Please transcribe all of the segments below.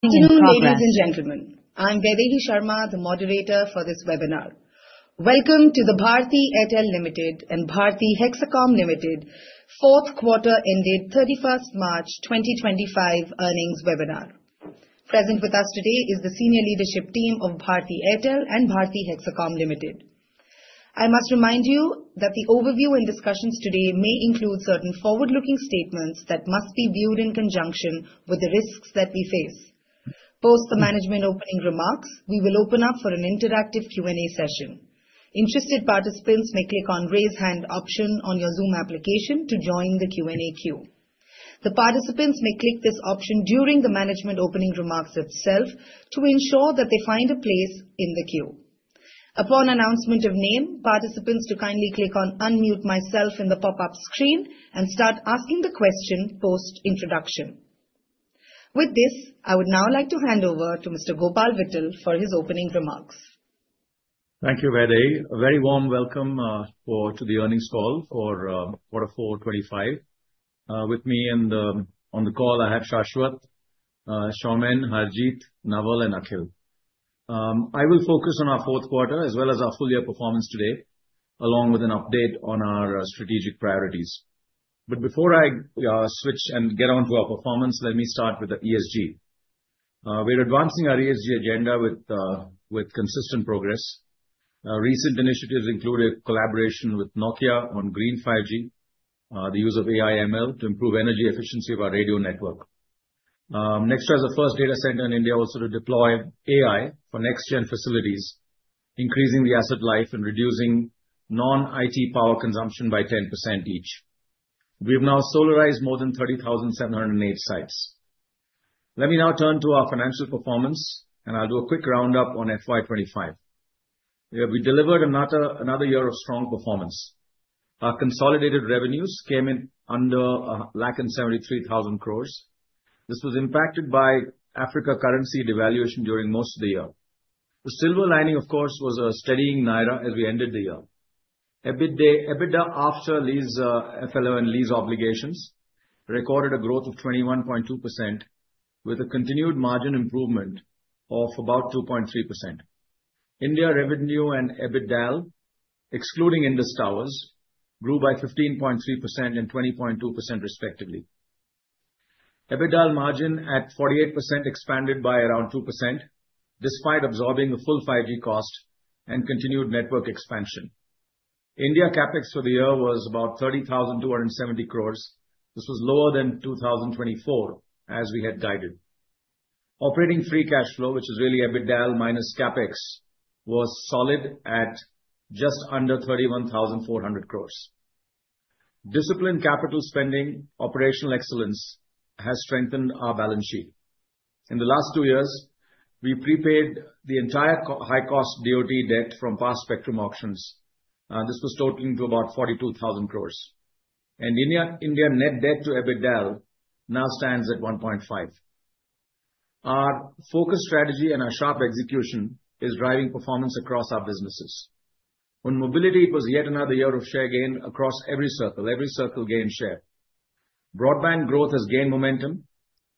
Good afternoon, ladies and gentlemen. I'm Viveki Sharma, the moderator for this webinar. Welcome to the Bharti Airtel Ltd. and Bharti Hexacom Ltd. Fourth Quarter Ended 31 March 2025 Earnings Webinar. Present with us today is the Senior Leadership Team of Bharti Airtel and Bharti Hexacom Limited. I must remind you that the overview and discussions today may include certain forward-looking statements that must be viewed in conjunction with the risks that we face. Post the management opening remarks, we will open up for an interactive Q&A session. Interested participants may click on the raise hand option on your Zoom application to join the Q&A queue. The participants may click this option during the management opening remarks itself to ensure that they find a place in the queue. Upon announcement of name, participants do kindly click on Unmute Myself in the pop-up screen and start asking the question post-introduction. With this, I would now like to hand over to Mr. Gopal Vittal for his opening remarks. Thank you, Vaidehi. A very warm welcome to the earnings call for Quarter 425. With me on the call, I have Shashwat, Somin, Harjeet, Naval, and Akhil. I will focus on our fourth quarter as well as our full year performance today, along with an update on our strategic priorities. Before I switch and get on to our performance, let me start with the ESG. We are advancing our ESG agenda with consistent progress. Recent initiatives include a collaboration with Nokia on Green 5G, the use of AI/ML to improve energy efficiency of our radio network. Next is the first data center in India also to deploy AI for next-gen facilities, increasing the asset life and reducing non-IT power consumption by 10% each. We have now solarized more than 30,708 sites. Let me now turn to our financial performance, and I will do a quick roundup on FY2025. We delivered another year of strong performance. Our consolidated revenues came in under 1,073,000 crore. This was impacted by Africa currency devaluation during most of the year. The silver lining, of course, was a steadying Naira as we ended the year. EBITDA after FLO and lease obligations recorded a growth of 21.2%, with a continued margin improvement of about 2.3%. India revenue and EBITDA, excluding Indus Towers, grew by 15.3% and 20.2%, respectively. EBITDA margin at 48% expanded by around 2%, despite absorbing the full 5G cost and continued network expansion. India CapEx for the year was about 30,270 crore. This was lower than 2023, as we had guided. Operating free cash flow, which is really EBITDA minus CapEx, was solid at just under 31,400 crore. Disciplined capital spending, operational excellence has strengthened our balance sheet. In the last two years, we prepaid the entire high-cost DOT debt from past spectrum auctions. This was totaling to about 42,000 crore. India net debt to EBITDA now stands at 1.5. Our focus, strategy, and our sharp execution is driving performance across our businesses. On mobility, it was yet another year of share gain across every circle. Every circle gained share. Broadband growth has gained momentum.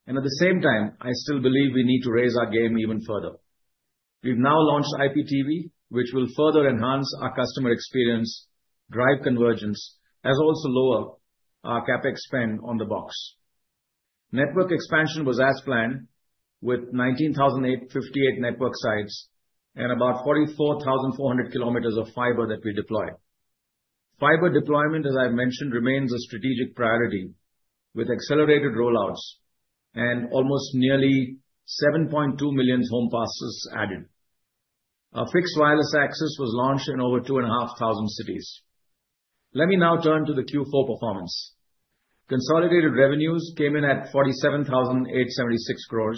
At the same time, I still believe we need to raise our game even further. We've now launched IPTV, which will further enhance our customer experience, drive convergence, as also lower our CapEx spend on the box. Network expansion was as planned, with 19,058 network sites and about 44,400 km of fiber that we deployed. Fiber deployment, as I've mentioned, remains a strategic priority, with accelerated rollouts and almost nearly 7.2 million home passes added. A fixed wireless access was launched in over 2,500 cities. Let me now turn to the Q4 performance. Consolidated revenues came in at 47,876 crore,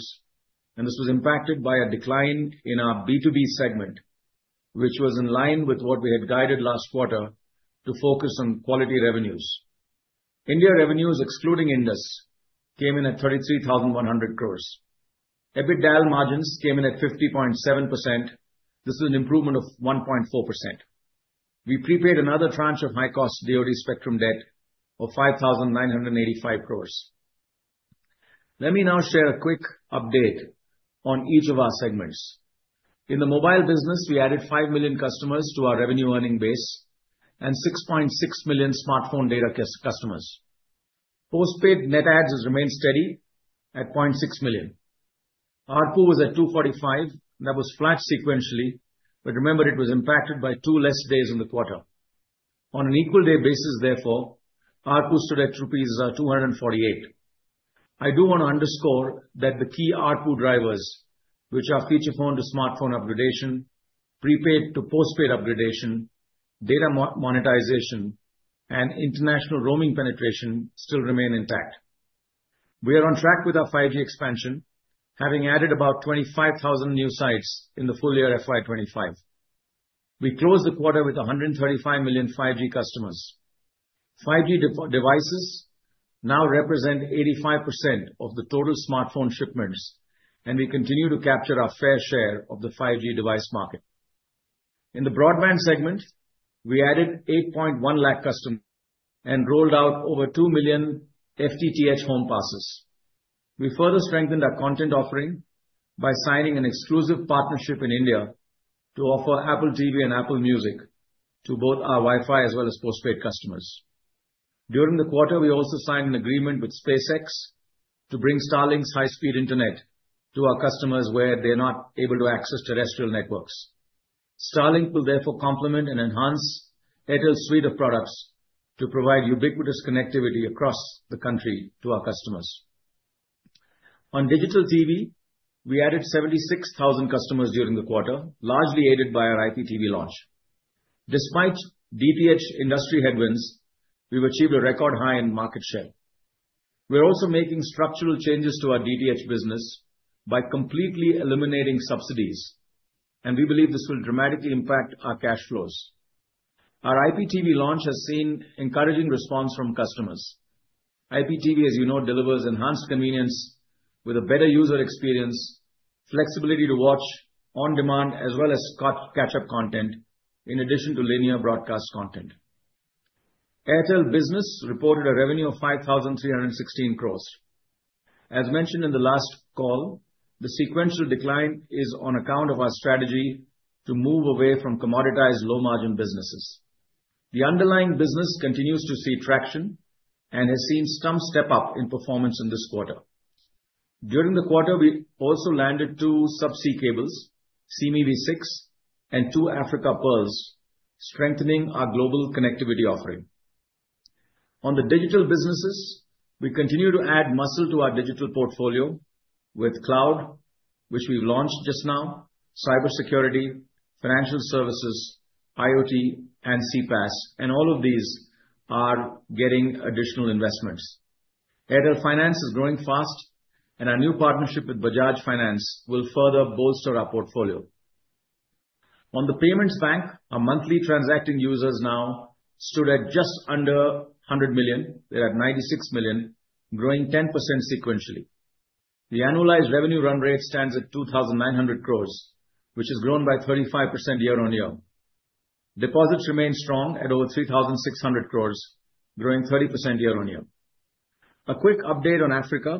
and this was impacted by a decline in our B2B segment, which was in line with what we had guided last quarter to focus on quality revenues. India revenues, excluding Indus Towers, came in at 33,100 crore. EBITDA margins came in at 50.7%. This is an improvement of 1.4%. We prepaid another tranche of high-cost DOT spectrum debt of 5,985 crore. Let me now share a quick update on each of our segments. In the mobile business, we added 5 million customers to our revenue earning base and 6.6 million smartphone data customers. Postpaid net adds has remained steady at 0.6 million. ARPU was at 245. That was flat sequentially, but remember, it was impacted by two less days in the quarter. On an equal day basis, therefore, ARPU stood at rupees 248. I do want to underscore that the key ARPU drivers, which are feature phone to smartphone upgradation, prepaid to postpaid upgradation, data monetization, and international roaming penetration, still remain intact. We are on track with our 5G expansion, having added about 25,000 new sites in the full year 2025. We closed the quarter with 135 million 5G customers. 5G devices now represent 85% of the total smartphone shipments, and we continue to capture our fair share of the 5G device market. In the broadband segment, we added 810,000 customers and rolled out over 2 million FTTH home passes. We further strengthened our content offering by signing an exclusive partnership in India to offer Apple TV and Apple Music to both our Wi-Fi as well as postpaid customers. During the quarter, we also signed an agreement with SpaceX to bring Starlink's high-speed internet to our customers where they're not able to access terrestrial networks. Starlink will therefore complement and enhance Hexacom's suite of products to provide ubiquitous connectivity across the country to our customers. On digital TV, we added 76,000 customers during the quarter, largely aided by our IPTV launch. Despite DTH industry headwinds, we've achieved a record high in market share. We're also making structural changes to our DTH business by completely eliminating subsidies, and we believe this will dramatically impact our cash flows. Our IPTV launch has seen encouraging response from customers. IPTV, as you know, delivers enhanced convenience with a better user experience, flexibility to watch on demand, as well as catch-up content, in addition to linear broadcast content. Hexacom business reported a revenue of 5,316 crore. As mentioned in the last call, the sequential decline is on account of our strategy to move away from commoditized low-margin businesses. The underlying business continues to see traction and has seen some step-up in performance in this quarter. During the quarter, we also landed two subsea cables, SEA-ME-WE 6 and two Africa Pearls, strengthening our global connectivity offering. On the digital businesses, we continue to add muscle to our digital portfolio with cloud, which we've launched just now, cybersecurity, financial services, IoT, and CPaaS, and all of these are getting additional investments. Airtel Finance is growing fast, and our new partnership with Bajaj Finance will further bolster our portfolio. On the payments bank, our monthly transacting users now stood at just under 100 million. They're at 96 million, growing 10% sequentially. The annualized revenue run rate stands at 2,900 crore, which has grown by 35% year on year. Deposits remain strong at over 3,600 crore, growing 30% year on year. A quick update on Africa.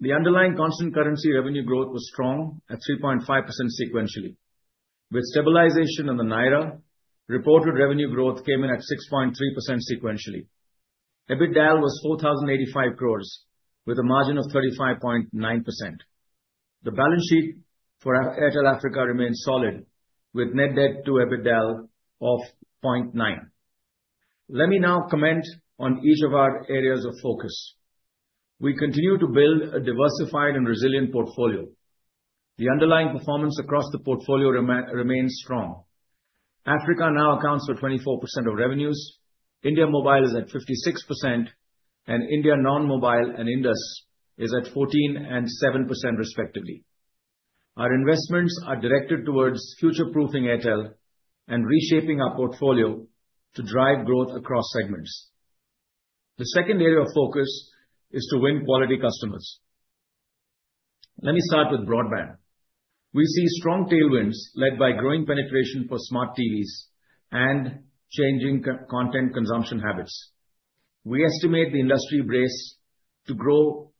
The underlying constant currency revenue growth was strong at 3.5% sequentially. With stabilization in the Naira, reported revenue growth came in at 6.3% sequentially. EBITDA was 4,085 crore, with a margin of 35.9%. The balance sheet for Airtel Africa remains solid, with net debt to EBITDA of 0.9. Let me now comment on each of our areas of focus. We continue to build a diversified and resilient portfolio. The underlying performance across the portfolio remains strong. Africa now accounts for 24% of revenues. India mobile is at 56%, and India non-mobile and Indus is at 14% and 7%, respectively. Our investments are directed towards future-proofing Airtel and reshaping our portfolio to drive growth across segments. The second area of focus is to win quality customers. Let me start with broadband. We see strong tailwinds led by growing penetration for smart TVs and changing content consumption habits. We estimate the industry base to grow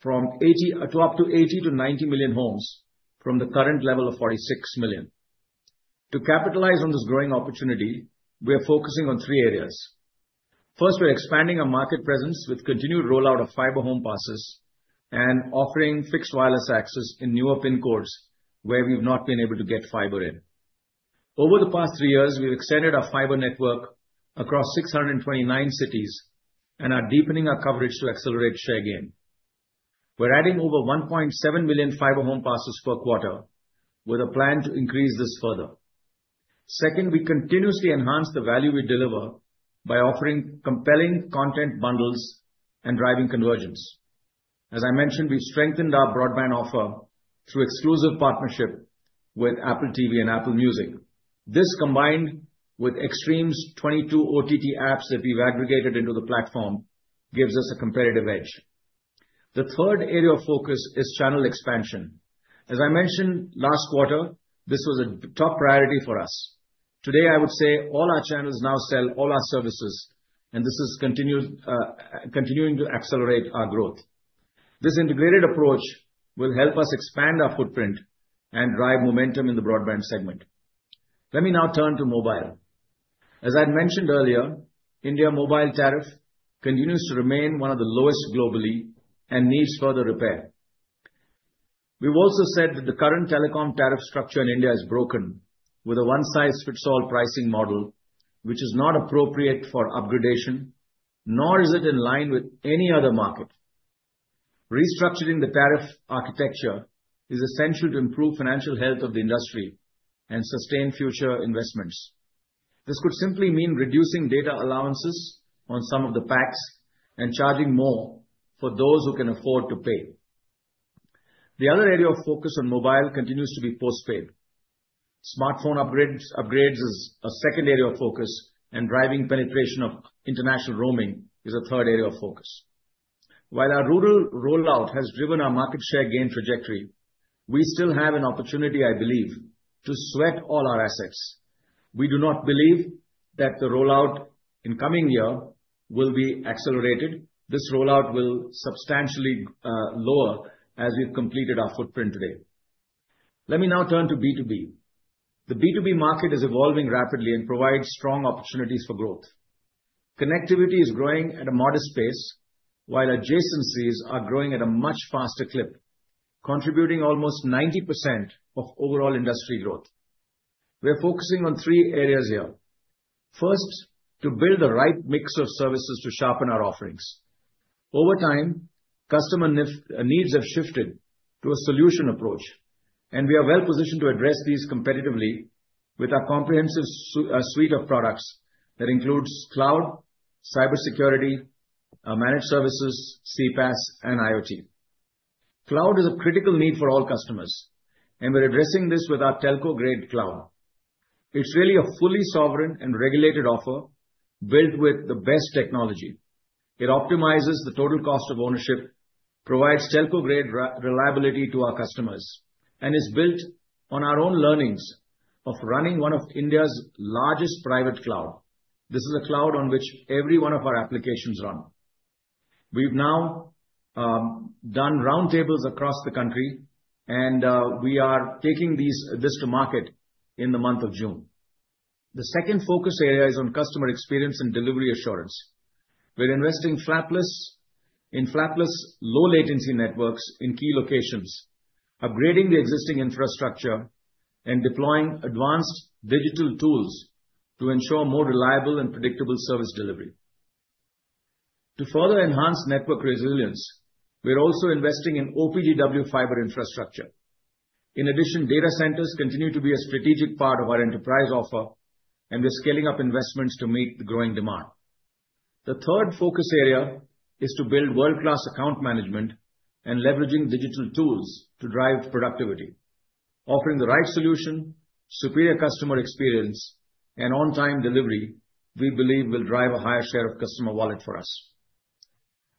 from up to 80 million-90 million homes from the current level of 46 million. To capitalize on this growing opportunity, we are focusing on three areas. First, we're expanding our market presence with continued rollout of fiber home passes and offering fixed wireless access in newer pin codes where we've not been able to get fiber in. Over the past three years, we've extended our fiber network across 629 cities and are deepening our coverage to accelerate share gain. We're adding over 1.7 million fiber home passes per quarter, with a plan to increase this further. Second, we continuously enhance the value we deliver by offering compelling content bundles and driving convergence. As I mentioned, we've strengthened our broadband offer through exclusive partnership with Apple TV and Apple Music. This, combined with Extreme's 22 OTT apps that we've aggregated into the platform, gives us a competitive edge. The third area of focus is channel expansion. As I mentioned last quarter, this was a top priority for us. Today, I would say all our channels now sell all our services, and this is continuing to accelerate our growth. This integrated approach will help us expand our footprint and drive momentum in the broadband segment. Let me now turn to mobile. As I'd mentioned earlier, India mobile tariff continues to remain one of the lowest globally and needs further repair. We've also said that the current telecom tariff structure in India is broken with a one-size-fits-all pricing model, which is not appropriate for upgradation, nor is it in line with any other market. Restructuring the tariff architecture is essential to improve financial health of the industry and sustain future investments. This could simply mean reducing data allowances on some of the packs and charging more for those who can afford to pay. The other area of focus on mobile continues to be postpaid. Smartphone upgrades is a second area of focus, and driving penetration of international roaming is a third area of focus. While our rural rollout has driven our market share gain trajectory, we still have an opportunity, I believe, to sweat all our assets. We do not believe that the rollout in coming year will be accelerated. This rollout will substantially lower as we've completed our footprint today. Let me now turn to B2B. The B2B market is evolving rapidly and provides strong opportunities for growth. Connectivity is growing at a modest pace, while adjacencies are growing at a much faster clip, contributing almost 90% of overall industry growth. We're focusing on three areas here. First, to build the right mix of services to sharpen our offerings. Over time, customer needs have shifted to a solution approach, and we are well positioned to address these competitively with our comprehensive suite of products that includes cloud, cybersecurity, managed services, CPaaS, and IoT. Cloud is a critical need for all customers, and we're addressing this with our telco-grade cloud. It's really a fully sovereign and regulated offer built with the best technology. It optimizes the total cost of ownership, provides telco-grade reliability to our customers, and is built on our own learnings of running one of India's largest private clouds. This is a cloud on which every one of our applications run. We've now done roundtables across the country, and we are taking this to market in the month of June. The second focus area is on customer experience and delivery assurance. We're investing in flapless low-latency networks in key locations, upgrading the existing infrastructure, and deploying advanced digital tools to ensure more reliable and predictable service delivery. To further enhance network resilience, we're also investing in OPGW fiber infrastructure. In addition, data centers continue to be a strategic part of our enterprise offer, and we're scaling up investments to meet the growing demand. The third focus area is to build world-class account management and leveraging digital tools to drive productivity. Offering the right solution, superior customer experience, and on-time delivery, we believe will drive a higher share of customer wallet for us.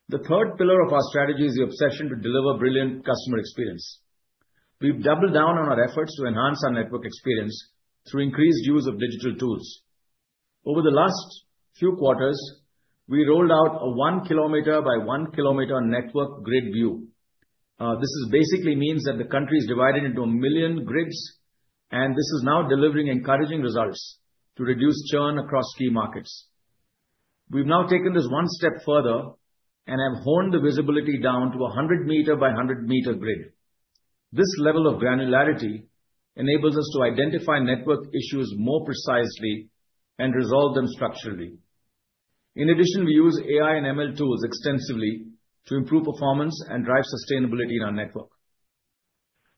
The third pillar of our strategy is the obsession to deliver brilliant customer experience. We've doubled down on our efforts to enhance our network experience through increased use of digital tools. Over the last few quarters, we rolled out a one kilometer by one kilometer network grid view. This basically means that the country is divided into a million grids, and this is now delivering encouraging results to reduce churn across key markets. We've now taken this one step further and have honed the visibility down to a 100 meter by 100 meter grid. This level of granularity enables us to identify network issues more precisely and resolve them structurally. In addition, we use AI and ML tools extensively to improve performance and drive sustainability in our network.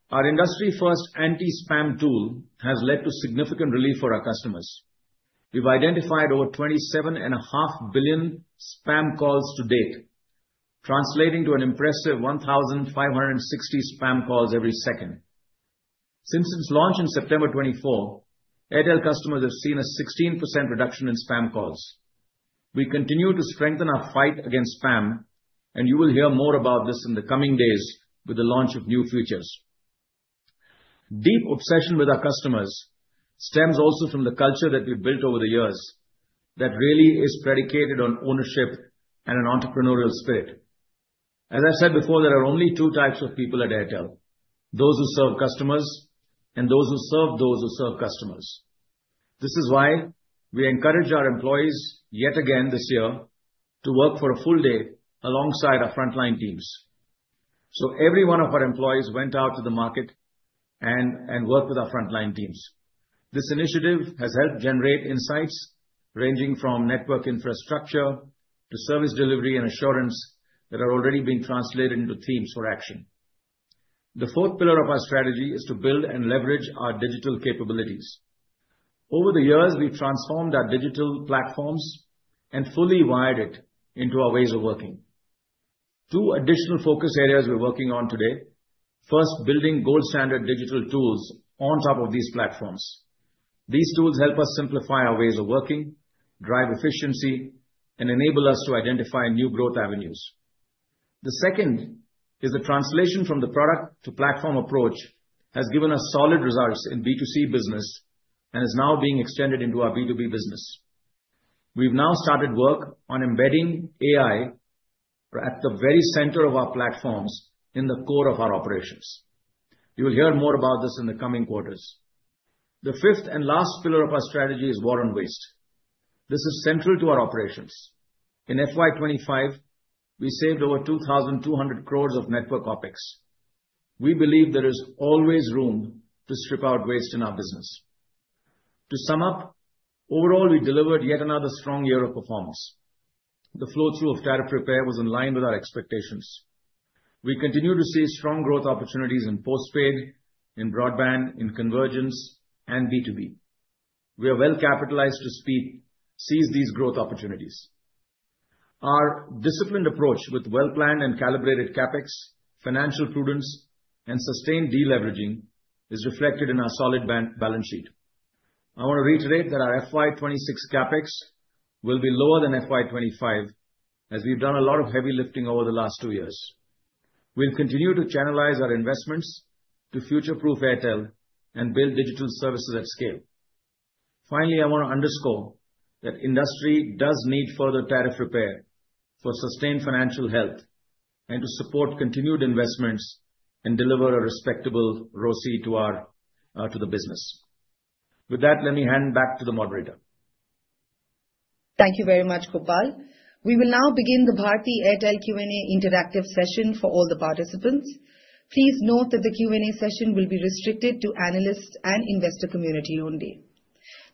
Our industry-first anti-spam tool has led to significant relief for our customers. We've identified over 27.5 billion spam calls to date, translating to an impressive 1,560 spam calls every second. Since its launch in September 2024, Airtel customers have seen a 16% reduction in spam calls. We continue to strengthen our fight against spam, and you will hear more about this in the coming days with the launch of new features. Deep obsession with our customers stems also from the culture that we've built over the years that really is predicated on ownership and an entrepreneurial spirit. As I've said before, there are only two types of people at Airtel: those who serve customers and those who serve those who serve customers. This is why we encourage our employees yet again this year to work for a full day alongside our frontline teams. Every one of our employees went out to the market and worked with our frontline teams. This initiative has helped generate insights ranging from network infrastructure to service delivery and assurance that are already being translated into themes for action. The fourth pillar of our strategy is to build and leverage our digital capabilities. Over the years, we've transformed our digital platforms and fully wired it into our ways of working. Two additional focus areas we're working on today: first, building gold-standard digital tools on top of these platforms. These tools help us simplify our ways of working, drive efficiency, and enable us to identify new growth avenues. The second is the translation from the product-to-platform approach has given us solid results in B2C business and is now being extended into our B2B business. We've now started work on embedding AI at the very center of our platforms in the core of our operations. You will hear more about this in the coming quarters. The fifth and last pillar of our strategy is war on waste. This is central to our operations. In FY 2025, we saved over 2,200 crore of network OpEx. We believe there is always room to strip out waste in our business. To sum up, overall, we delivered yet another strong year of performance. The flow-through of tariff repair was in line with our expectations. We continue to see strong growth opportunities in postpaid, in broadband, in convergence, and B2B. We are well capitalized to seize these growth opportunities. Our disciplined approach with well-planned and calibrated CapEx, financial prudence, and sustained deleveraging is reflected in our solid balance sheet. I want to reiterate that our FY 2026 CapEx will be lower than FY 2025, as we've done a lot of heavy lifting over the last two years. We'll continue to channelize our investments to future-proof Hexacom and build digital services at scale. Finally, I want to underscore that industry does need further tariff repair for sustained financial health and to support continued investments and deliver a respectable ROSI to the business. With that, let me hand back to the moderator. Thank you very much, Gopal. We will now begin the Bharti Hexacom Q&A interactive session for all the participants. Please note that the Q&A session will be restricted to analysts and investor community only.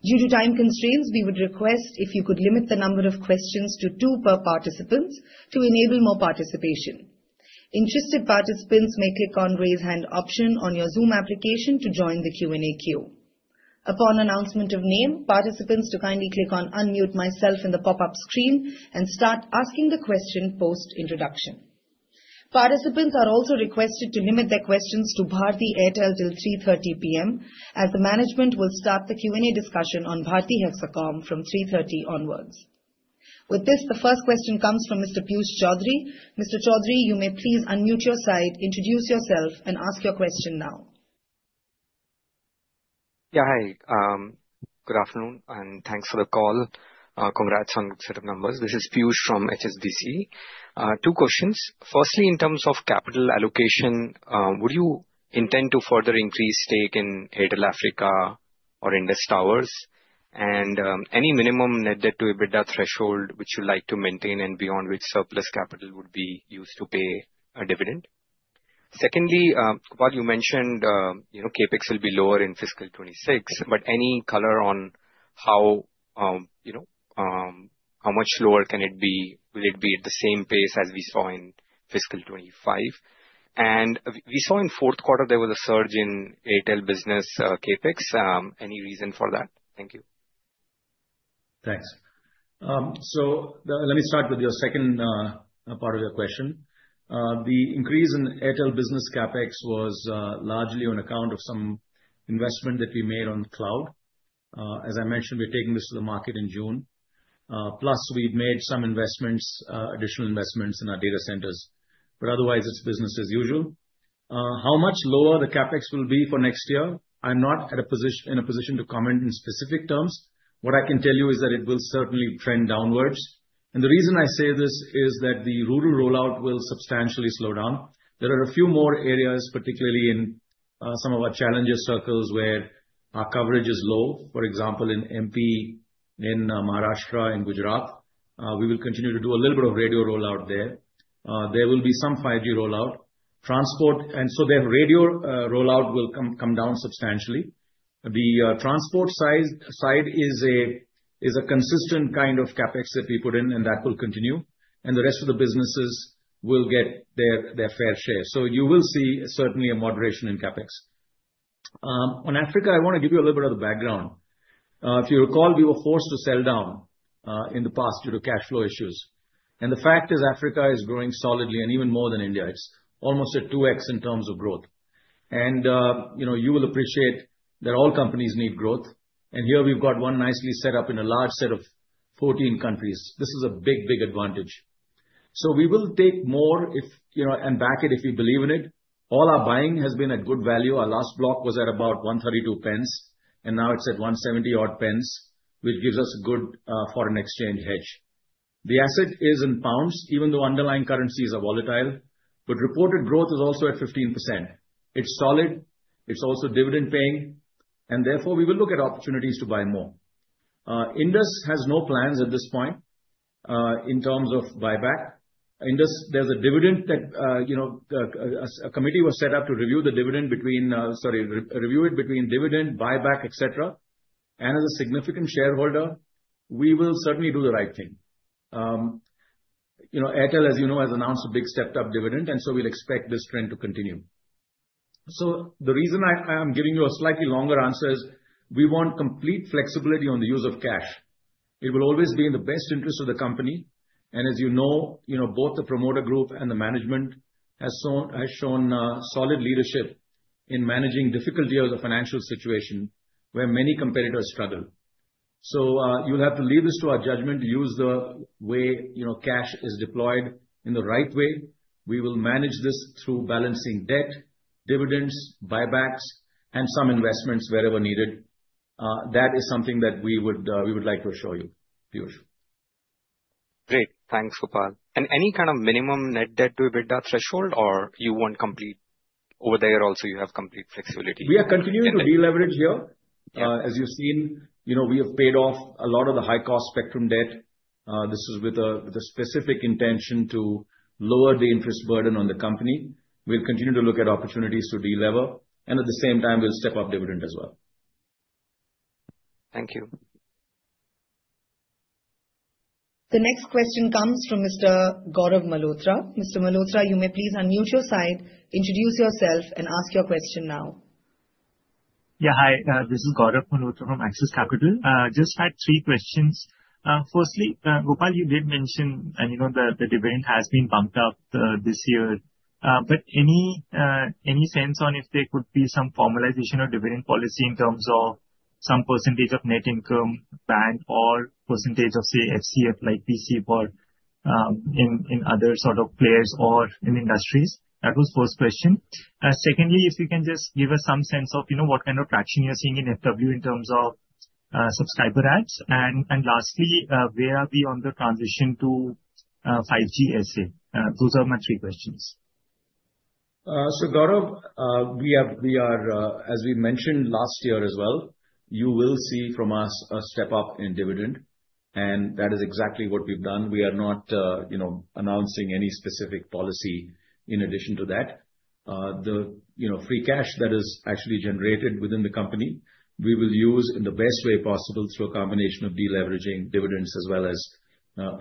Due to time constraints, we would request if you could limit the number of questions to two per participant to enable more participation. Interested participants may click on the raise hand option on your Zoom application to join the Q&A queue. Upon announcement of name, participants to kindly click on Unmute myself in the pop-up screen and start asking the question post-introduction. Participants are also requested to limit their questions to Bharti Airtel till 3:30 P.M., as the management will start the Q&A discussion on Bharti Hexacom from 3:30 onwards. With this, the first question comes from Mr. Piyush Choudhary. Mr. Choudhury, you may please unmute your side, introduce yourself, and ask your question now. Yeah, hi. Good afternoon, and thanks for the call. Congrats on set of numbers. This is Piyush from HSBC. Two questions. Firstly, in terms of capital allocation, would you intend to further increase stake in Airtel Africa or Indus Towers? And any minimum net debt to EBITDA threshold which you'd like to maintain and beyond which surplus capital would be used to pay a dividend? Secondly, Gopal, you mentioned CapEx will be lower in fiscal 2026, but any color on how much lower can it be? Will it be at the same pace as we saw in fiscal 2025? We saw in the fourth quarter, there was a surge in Hexacom business CapEx. Any reason for that? Thank you. Thanks. Let me start with your second part of your question. The increase in Hexacom business CapEx was largely on account of some investment that we made on the cloud. As I mentioned, we're taking this to the market in June. Plus, we've made some additional investments in our data centers. Otherwise, it's business as usual. How much lower the CapEx will be for next year? I'm not in a position to comment in specific terms. What I can tell you is that it will certainly trend downwards. The reason I say this is that the rural rollout will substantially slow down. There are a few more areas, particularly in some of our challenger circles where our coverage is low. For example, in Madhya Pradesh, in Maharashtra, in Gujarat, we will continue to do a little bit of radio rollout there. There will be some 5G rollout. Transport, and so their radio rollout will come down substantially. The transport side is a consistent kind of CapEx that we put in, and that will continue. The rest of the businesses will get their fair share. You will see certainly a moderation in CapEx. On Africa, I want to give you a little bit of the background. If you recall, we were forced to sell down in the past due to cash flow issues. The fact is Africa is growing solidly and even more than India. It's almost at 2x in terms of growth. You will appreciate that all companies need growth. Here we have got one nicely set up in a large set of 14 countries. This is a big, big advantage. We will take more and back it if we believe in it. All our buying has been at good value. Our last block was at about 1.32, and now it is at 1.70-odd, which gives us a good foreign exchange hedge. The asset is in pounds, even though underlying currencies are volatile, but reported growth is also at 15%. It is solid. It is also dividend-paying. Therefore, we will look at opportunities to buy more. Indus has no plans at this point in terms of buyback. Indus, there is a dividend that a committee was set up to review, sorry, review it between dividend, buyback, et cetera. As a significant shareholder, we will certainly do the right thing. Airtel, as you know, has announced a big stepped-up dividend, and we will expect this trend to continue. The reason I'm giving you a slightly longer answer is we want complete flexibility on the use of cash. It will always be in the best interest of the company. As you know, both the promoter group and the management have shown solid leadership in managing difficult years of financial situation where many competitors struggle. You will have to leave this to our judgment to use the way cash is deployed in the right way. We will manage this through balancing debt, dividends, buybacks, and some investments wherever needed. That is something that we would like to assure you, Piyush. Great. Thanks, Gopal. Any kind of minimum net debt to EBITDA threshold, or you want complete over there also you have complete flexibility? We are continuing to deleverage here. As you've seen, we have paid off a lot of the high-cost spectrum debt. This is with a specific intention to lower the interest burden on the company. We'll continue to look at opportunities to delever. At the same time, we'll step up dividend as well. Thank you. The next question comes from Mr. Gaurav Malhotra. Mr. Malhotra, you may please unmute your side, introduce yourself, and ask your question now. Yeah, hi. This is Gaurav Malhotra from Axis Capital. Just had three questions. Firstly, Gopal, you did mention the dividend has been bumped up this year. Any sense on if there could be some formalization of dividend policy in terms of some percentage of net income back or percentage of, say, FCF like PCF or in other sort of players or in industries? That was the first question. Secondly, if you can just give us some sense of what kind of traction you're seeing in FW in terms of subscriber ads. And lastly, where are we on the transition to 5G SA? Those are my three questions. Gaurav, we are, as we mentioned last year as well, you will see from us a step up in dividend. That is exactly what we've done. We are not announcing any specific policy in addition to that. The free cash that is actually generated within the company, we will use in the best way possible through a combination of deleveraging, dividends, as well as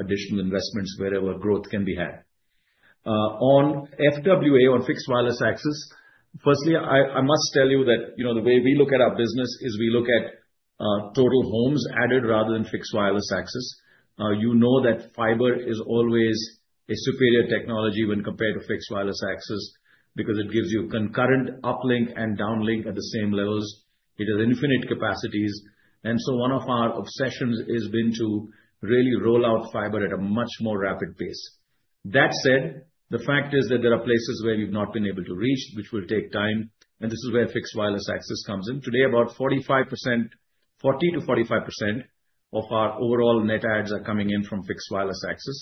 additional investments wherever growth can be had. On FWA, on fixed wireless access, firstly, I must tell you that the way we look at our business is we look at total homes added rather than fixed wireless access. You know that fiber is always a superior technology when compared to fixed wireless access because it gives you concurrent uplink and downlink at the same levels. It has infinite capacities. One of our obsessions has been to really roll out fiber at a much more rapid pace. That said, the fact is that there are places where we've not been able to reach, which will take time. This is where fixed wireless access comes in. Today, about 40-45% of our overall net ads are coming in from fixed wireless access.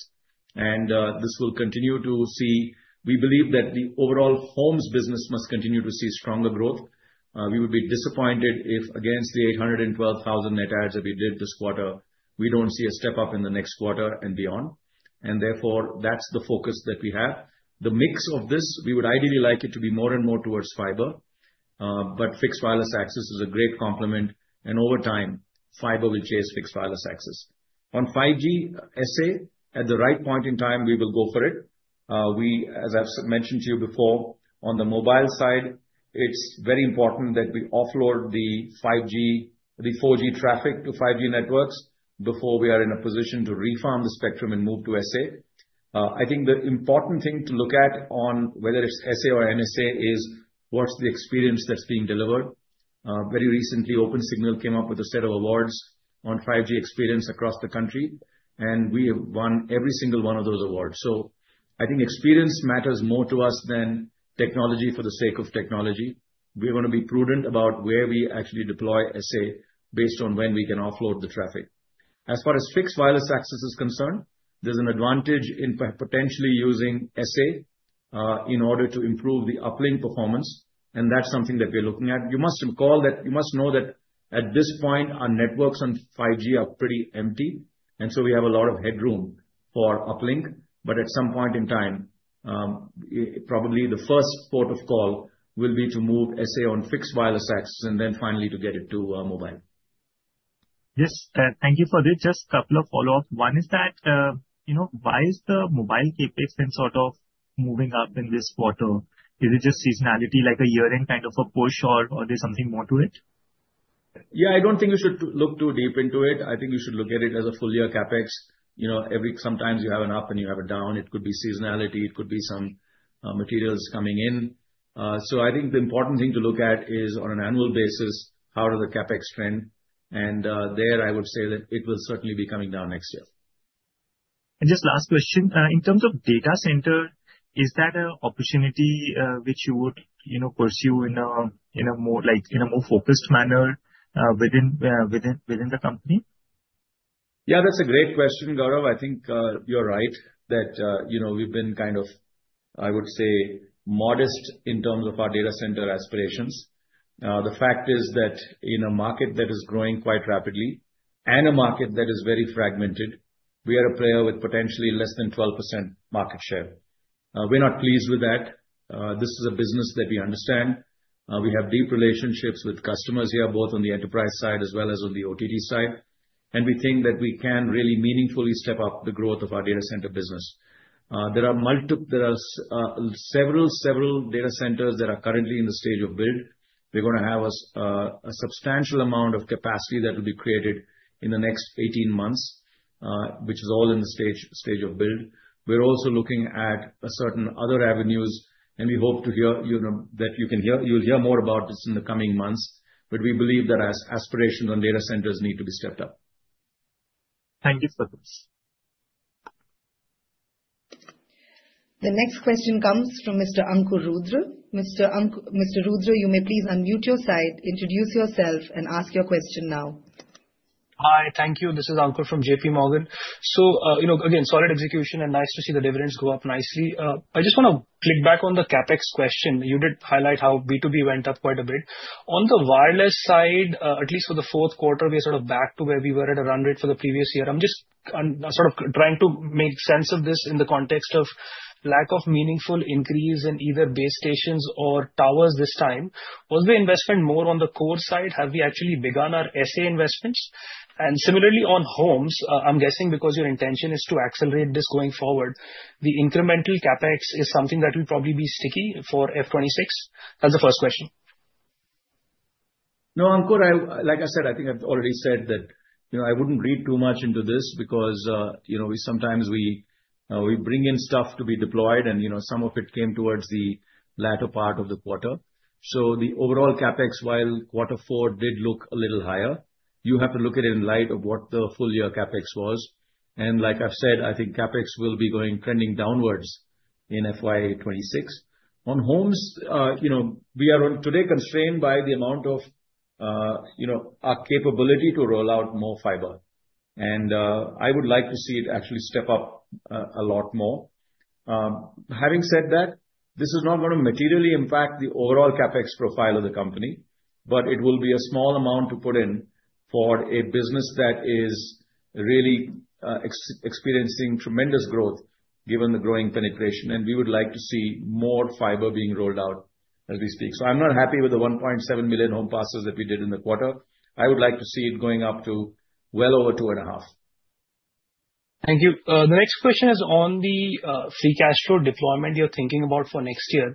This will continue to see. We believe that the overall homes business must continue to see stronger growth. We would be disappointed if against the 812,000 net ads that we did this quarter, we do not see a step up in the next quarter and beyond. Therefore, that is the focus that we have. The mix of this, we would ideally like it to be more and more towards fiber. Fixed wireless access is a great complement. Over time, fiber will chase fixed wireless access. On 5G SA, at the right point in time, we will go for it. As I've mentioned to you before, on the mobile side, it's very important that we offload the 4G traffic to 5G networks before we are in a position to refarm the spectrum and move to SA. I think the important thing to look at on whether it's SA or NSA is what's the experience that's being delivered. Very recently, OpenSignal came up with a set of awards on 5G experience across the country. We have won every single one of those awards. I think experience matters more to us than technology for the sake of technology. We're going to be prudent about where we actually deploy SA based on when we can offload the traffic. As far as fixed wireless access is concerned, there's an advantage in potentially using SA in order to improve the uplink performance. That's something that we're looking at. You must know that at this point, our networks on 5G are pretty empty. We have a lot of headroom for uplink. At some point in time, probably the first port of call will be to move SA on fixed wireless access and then finally to get it to mobile. Yes. Thank you for this. Just a couple of follow-ups. One is that why is the mobile CapEx in sort of moving up in this quarter? Is it just seasonality, like a year-end kind of a push, or there is something more to it? Yeah, I do not think you should look too deep into it. I think you should look at it as a full year CapEx. Sometimes you have an up and you have a down. It could be seasonality. It could be some materials coming in. I think the important thing to look at is on an annual basis, how does the CapEx trend? There, I would say that it will certainly be coming down next year. Just last question. In terms of data center, is that an opportunity which you would pursue in a more focused manner within the company? Yeah, that's a great question, Gaurav. I think you're right that we've been kind of, I would say, modest in terms of our data center aspirations. The fact is that in a market that is growing quite rapidly and a market that is very fragmented, we are a player with potentially less than 12% market share. We're not pleased with that. This is a business that we understand. We have deep relationships with customers here, both on the enterprise side as well as on the OTT side. We think that we can really meaningfully step up the growth of our data center business. There are several data centers that are currently in the stage of build. We are going to have a substantial amount of capacity that will be created in the next 18 months, which is all in the stage of build. We are also looking at certain other avenues. We hope that you will hear more about this in the coming months. We believe that aspirations on data centers need to be stepped up. Thank you for this. The next question comes from Mr. Ankur Rudra. Mr. Rudra, you may please unmute your side, introduce yourself, and ask your question now. Hi. Thank you. This is Ankur from JPMorgan. Again, solid execution and nice to see the dividends go up nicely. I just want to click back on the CapEx question. You did highlight how B2B went up quite a bit. On the wireless side, at least for the fourth quarter, we're sort of back to where we were at a run rate for the previous year. I'm just sort of trying to make sense of this in the context of lack of meaningful increase in either base stations or towers this time. Was the investment more on the core side? Have we actually begun our SA investments? Similarly on homes, I'm guessing because your intention is to accelerate this going forward, the incremental CapEx is something that will probably be sticky for F2026. That's the first question. No, Ankur, like I said, I think I've already said that I wouldn't read too much into this because sometimes we bring in stuff to be deployed, and some of it came towards the latter part of the quarter. The overall CapEx while quarter four did look a little higher. You have to look at it in light of what the full year CapEx was. Like I've said, I think CapEx will be trending downwards in FY2026. On homes, we are today constrained by the amount of our capability to roll out more fiber. I would like to see it actually step up a lot more. Having said that, this is not going to materially impact the overall CapEx profile of the company, but it will be a small amount to put in for a business that is really experiencing tremendous growth given the growing penetration. We would like to see more fiber being rolled out as we speak. I'm not happy with the 1.7 million home passes that we did in the quarter. I would like to see it going up to well over two and a half. Thank you. The next question is on the free cash flow deployment you're thinking about for next year.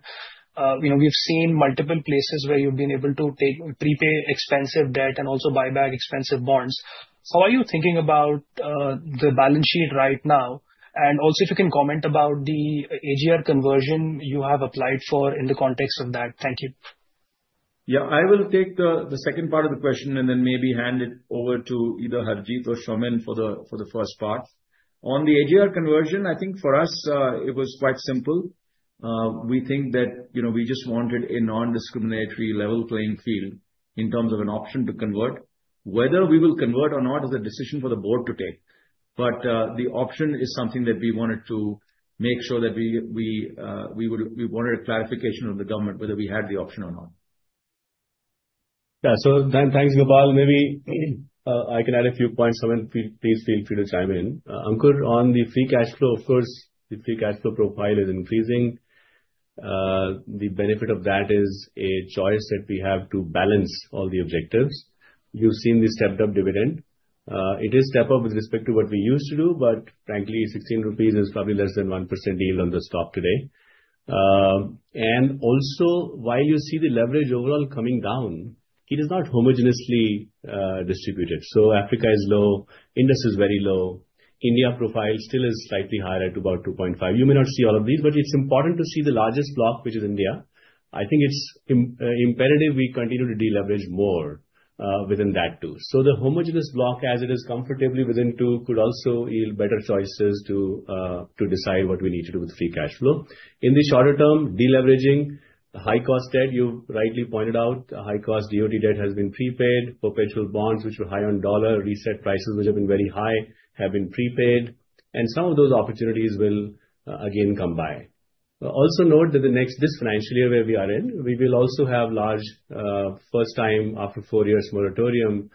We've seen multiple places where you've been able to prepay expensive debt and also buy back expensive bonds. How are you thinking about the balance sheet right now? If you can comment about the AGR conversion you have applied for in the context of that. Thank you. Yeah, I will take the second part of the question and then maybe hand it over to either Harjit or Somin for the first part. On the AGR conversion, I think for us, it was quite simple. We think that we just wanted a non-discriminatory level playing field in terms of an option to convert. Whether we will convert or not is a decision for the board to take. The option is something that we wanted to make sure that we wanted a clarification of the government, whether we had the option or not. Yeah, thanks, Gopal. Maybe I can add a few points. Somin, please feel free to chime in. Ankur, on the free cash flow, of course, the free cash flow profile is increasing. The benefit of that is a choice that we have to balance all the objectives. You have seen the stepped-up dividend. It is stepped up with respect to what we used to do, but frankly, 16 rupees is probably less than 1% yield on the stock today. Also, while you see the leverage overall coming down, it is not homogenously distributed. Africa is low, India is very low. India profile still is slightly higher at about 2.5. You may not see all of these, but it's important to see the largest block, which is India. I think it's imperative we continue to deleverage more within that too. The homogenous block, as it is comfortably within two, could also yield better choices to decide what we need to do with free cash flow. In the shorter term, deleveraging, high-cost debt, you rightly pointed out, high-cost DOT debt has been prepaid, perpetual bonds, which were high on dollar, reset prices, which have been very high, have been prepaid. Some of those opportunities will again come by. Also note that this financial year where we are in, we will also have large first-time after four years moratorium,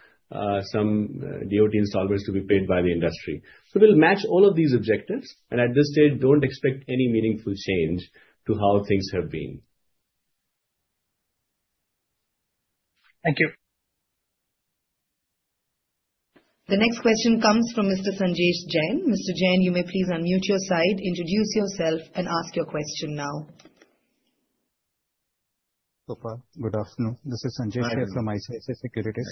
some DOT installments to be paid by the industry. We will match all of these objectives. At this stage, don't expect any meaningful change to how things have been. Thank you. The next question comes from Mr. Sanjesh Jain. Mr. Jain, you may please unmute your side, introduce yourself, and ask your question now. Gopal, good afternoon. This is Sanjesh from ICICI Securities.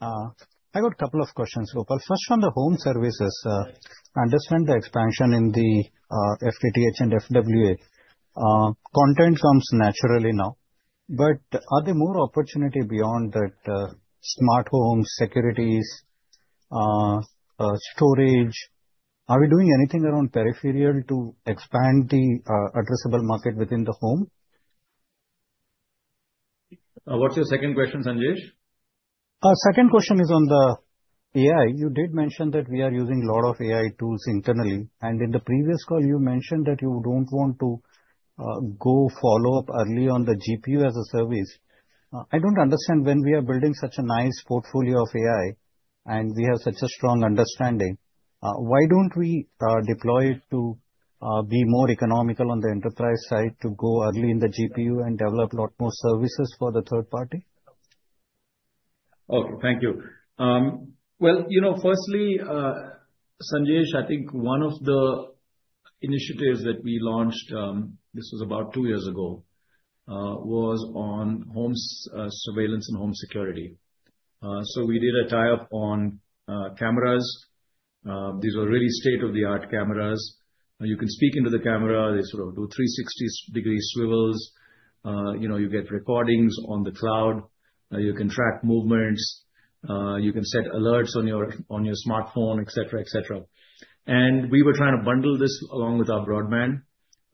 I got a couple of questions, Gopal. First, on the home services, I understand the expansion in the FTTH and FWA. Content comes naturally now. Are there more opportunities beyond that? Smart homes, securities, storage. Are we doing anything around peripheral to expand the addressable market within the home? What is your second question, Sanjesh? Second question is on the AI. You did mention that we are using a lot of AI tools internally. In the previous call, you mentioned that you do not want to go follow up early on the GPU as a service. I do not understand when we are building such a nice portfolio of AI and we have such a strong understanding. Why do not we deploy it to be more economical on the enterprise side to go early in the GPU and develop a lot more services for the third party? Okay, thank you. Firstly, Sanjesh, I think one of the initiatives that we launched, this was about two years ago, was on home surveillance and home security. We did a tie-up on cameras. These were really state-of-the-art cameras. You can speak into the camera. They sort of do 360-degree swivels. You get recordings on the cloud. You can track movements. You can set alerts on your smartphone, et cetera., et cetera. We were trying to bundle this along with our broadband.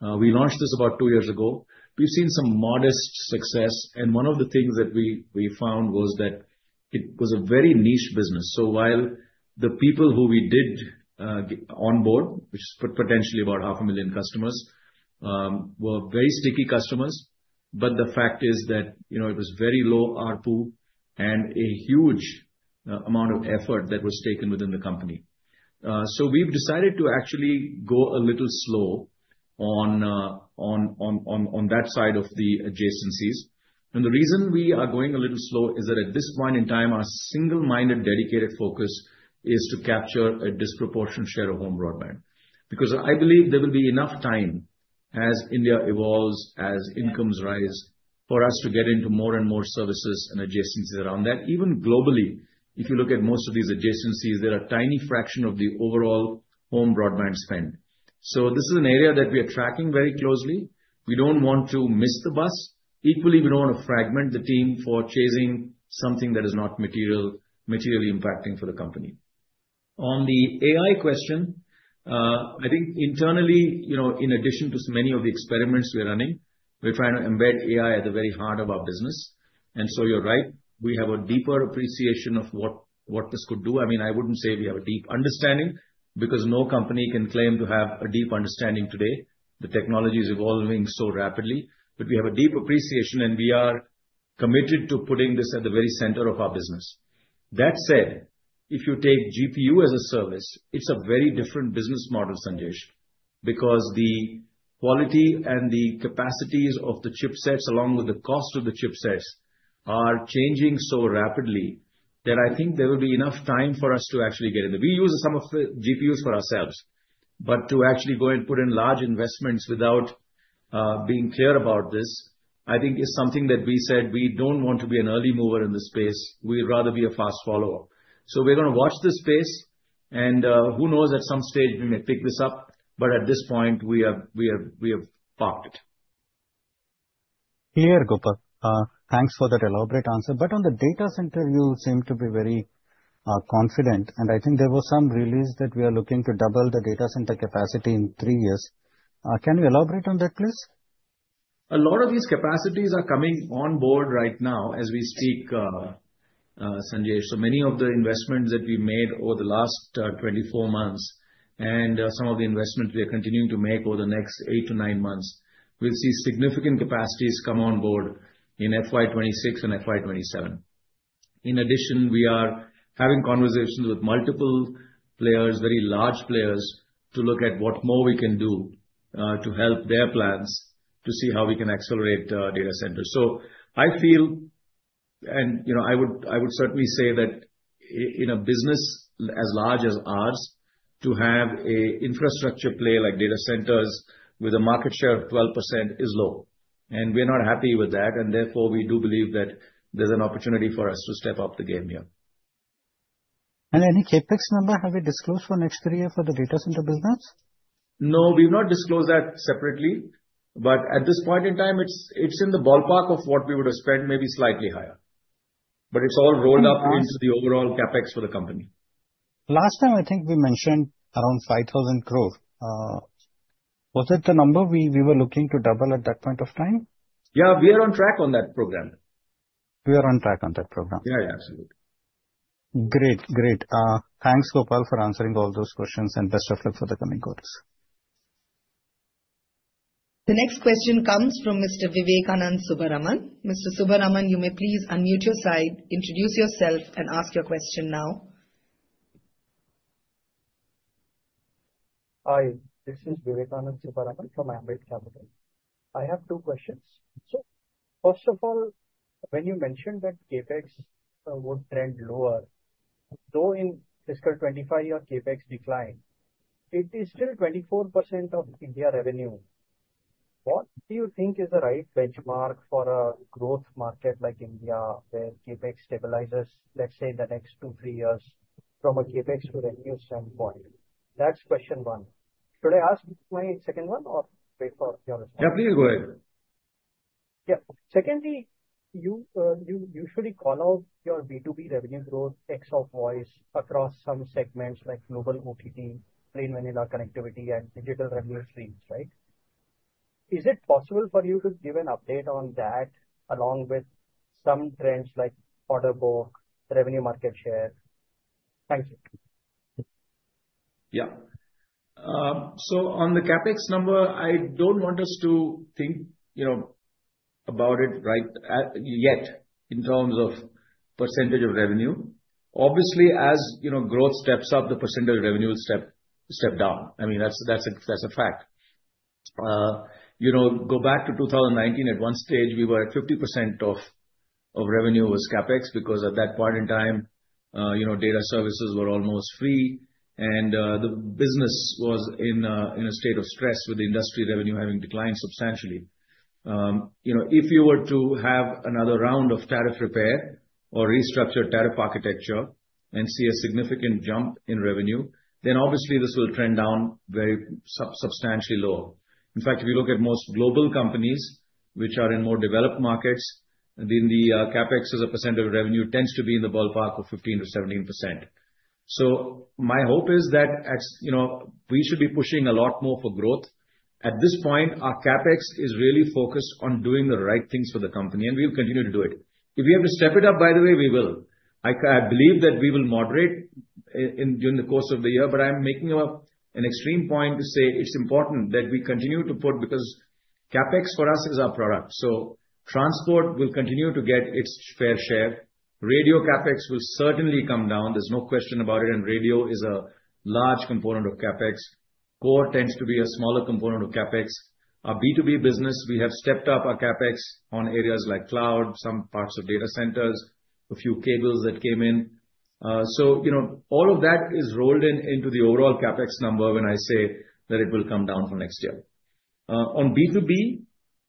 We launched this about two years ago. We have seen some modest success. One of the things that we found was that it was a very niche business. While the people who we did onboard, which is potentially about 500,000 customers, were very sticky customers, the fact is that it was very low ARPU and a huge amount of effort that was taken within the company. We have decided to actually go a little slow on that side of the adjacencies. The reason we are going a little slow is that at this point in time, our single-minded dedicated focus is to capture a disproportionate share of home broadband. I believe there will be enough time as India evolves, as incomes rise, for us to get into more and more services and adjacencies around that. Even globally, if you look at most of these adjacencies, they are a tiny fraction of the overall home broadband spend. This is an area that we are tracking very closely. We do not want to miss the bus. Equally, we do not want to fragment the team for chasing something that is not materially impacting for the company. On the AI question, I think internally, in addition to many of the experiments we are running, we are trying to embed AI at the very heart of our business. You are right. We have a deeper appreciation of what this could do. I mean, I would not say we have a deep understanding because no company can claim to have a deep understanding today. The technology is evolving so rapidly. We have a deep appreciation, and we are committed to putting this at the very center of our business. That said, if you take GPU as a service, it's a very different business model, Sanjesh, because the quality and the capacities of the chipsets, along with the cost of the chipsets, are changing so rapidly that I think there will be enough time for us to actually get into. We use some of the GPUs for ourselves. To actually go and put in large investments without being clear about this, I think is something that we said we don't want to be an early mover in this space. We'd rather be a fast follow-up. We're going to watch this space. Who knows, at some stage, we may pick this up. At this point, we have parked it. Clear, Gopal. Thanks for that elaborate answer. On the data center, you seem to be very confident. I think there was some release that we are looking to double the data center capacity in three years. Can you elaborate on that, please? A lot of these capacities are coming on board right now as we speak, Sanjesh. Many of the investments that we made over the last 24 months and some of the investments we are continuing to make over the next eight to nine months will see significant capacities come on board in FY2026 and FY2027. In addition, we are having conversations with multiple players, very large players, to look at what more we can do to help their plans to see how we can accelerate data centers. I feel, and I would certainly say that in a business as large as ours, to have an infrastructure play like data centers with a market share of 12% is low. We're not happy with that. Therefore, we do believe that there's an opportunity for us to step up the game here. Any CapEx number have you disclosed for the next three years for the data center business? No, we've not disclosed that separately. At this point in time, it's in the ballpark of what we would have spent, maybe slightly higher. It's all rolled up into the overall CapEx for the company. Last time, I think we mentioned around 5,000 crore. Was it the number we were looking to double at that point of time? Yeah, we are on track on that program. We are on track on that program. Yeah, absolutely. Great, thanks, Gopal, for answering all those questions and best of luck for the coming quarters. The next question comes from Mr. Vivekanand Subaraman. Mr. Subaraman, you may please unmute your side, introduce yourself, and ask your question now. Hi, this is Vivekanand Subaraman from Ambit Capital. I have two questions. So first of all, when you mentioned that CapEx would trend lower, though in fiscal 2025, your CapEx declined, it is still 24% of India revenue. What do you think is the right benchmark for a growth market like India where CapEx stabilizes, let's say, in the next two, three years from a CapEx to revenue standpoint? That's question one. Should I ask my second one or wait for your response? Yeah, please go ahead. Yeah. Secondly, you usually call out your B2B revenue growth, X of voice across some segments like global OTT, plain vanilla connectivity, and digital revenue streams, right? Is it possible for you to give an update on that along with some trends like order book, revenue market share? Thank you. Yeah. On the CapEx number, I do not want us to think about it right yet in terms of percentage of revenue. Obviously, as growth steps up, the percentage of revenue will step down. I mean, that is a fact. Go back to 2019. At one stage, we were at 50% of revenue was CapEx because at that point in time, data services were almost free. The business was in a state of stress with the industry revenue having declined substantially. If you were to have another round of tariff repair or restructured tariff architecture and see a significant jump in revenue, then obviously this will trend down very substantially lower. In fact, if you look at most global companies which are in more developed markets, then the CapEx as a percent of revenue tends to be in the ballpark of 15%-17%. My hope is that we should be pushing a lot more for growth. At this point, our CapEx is really focused on doing the right things for the company. We will continue to do it. If we have to step it up, by the way, we will. I believe that we will moderate during the course of the year. I'm making an extreme point to say it's important that we continue to put because CapEx for us is our product. Transport will continue to get its fair share. Radio CapEx will certainly come down. There's no question about it. Radio is a large component of CapEx. Core tends to be a smaller component of CapEx. Our B2B business, we have stepped up our CapEx on areas like cloud, some parts of data centers, a few cables that came in. All of that is rolled into the overall CapEx number when I say that it will come down for next year. On B2B,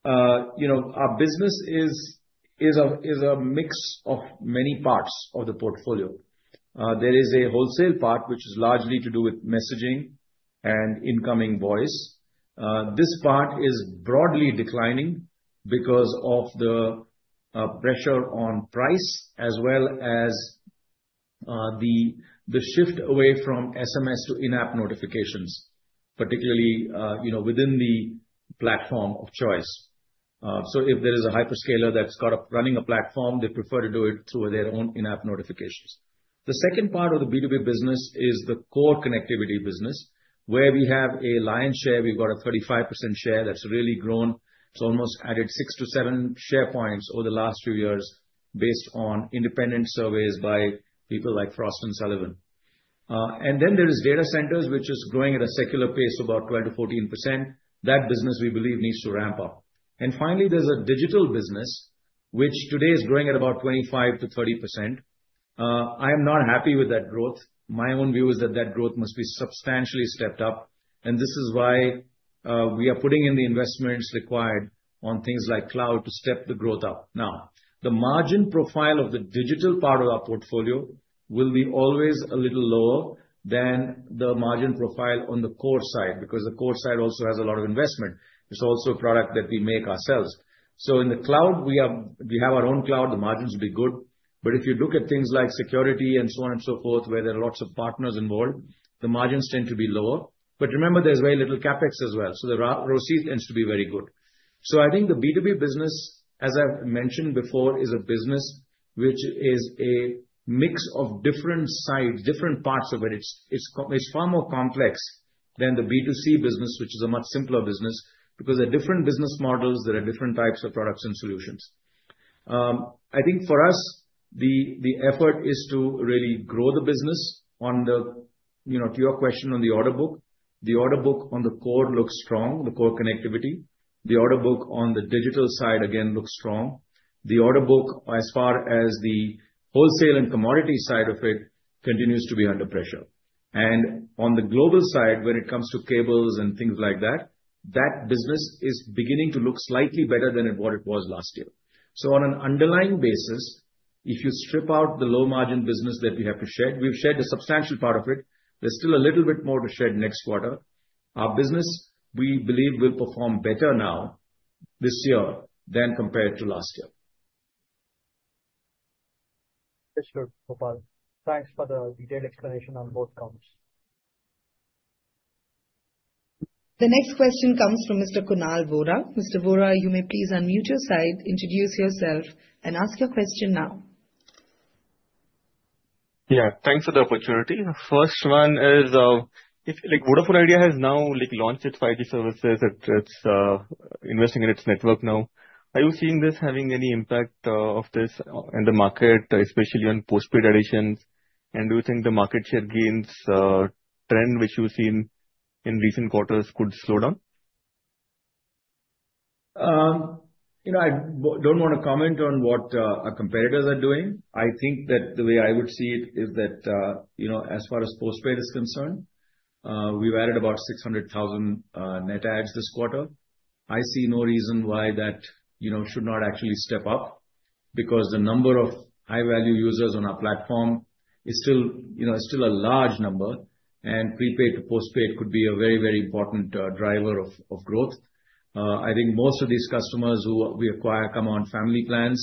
our business is a mix of many parts of the portfolio. There is a wholesale part which is largely to do with messaging and incoming voice. This part is broadly declining because of the pressure on price as well as the shift away from SMS to in-app notifications, particularly within the platform of choice. If there is a hyperscaler that's running a platform, they prefer to do it through their own in-app notifications. The second part of the B2B business is the core connectivity business where we have a lion's share. We've got a 35% share that's really grown. It's almost added six to seven share points over the last few years based on independent surveys by people like Frost & Sullivan. There is data centers, which is growing at a secular pace of about 12%-14%. That business, we believe, needs to ramp up. Finally, there is a digital business, which today is growing at about 25%-30%. I am not happy with that growth. My own view is that that growth must be substantially stepped up. This is why we are putting in the investments required on things like cloud to step the growth up. Now, the margin profile of the digital part of our portfolio will always be a little lower than the margin profile on the core side because the core side also has a lot of investment. It is also a product that we make ourselves. In the cloud, we have our own cloud. The margins will be good. If you look at things like security and so on and so forth, where there are lots of partners involved, the margins tend to be lower. Remember, there is very little CapEx as well. The receipt tends to be very good. I think the B2B business, as I have mentioned before, is a business which is a mix of different sides, different parts of it. It is far more complex than the B2C business, which is a much simpler business because there are different business models. There are different types of products and solutions. I think for us, the effort is to really grow the business. To your question on the order book, the order book on the core looks strong, the core connectivity. The order book on the digital side, again, looks strong. The order book, as far as the wholesale and commodity side of it, continues to be under pressure. On the global side, when it comes to cables and things like that, that business is beginning to look slightly better than what it was last year. On an underlying basis, if you strip out the low-margin business that we have to shed, we've shed a substantial part of it. There's still a little bit more to shed next quarter. Our business, we believe, will perform better now this year than compared to last year. For sure, Gopal. Thanks for the detailed explanation on both counts. The next question comes from Mr. Kunal Vora. Mr. Vora, you may please unmute your side, introduce yourself, and ask your question now. Yeah, thanks for the opportunity. First one is, Vodafone Idea has now launched its 5G services. It's investing in its network now. Are you seeing this having any impact of this in the market, especially on post-paid additions? Do you think the market share gains trend, which you've seen in recent quarters, could slow down? I don't want to comment on what our competitors are doing. I think that the way I would see it is that as far as post-paid is concerned, we've added about 600,000 net adds this quarter. I see no reason why that should not actually step up because the number of high-value users on our platform is still a large number. Prepaid to post-paid could be a very, very important driver of growth. I think most of these customers who we acquire come on family plans.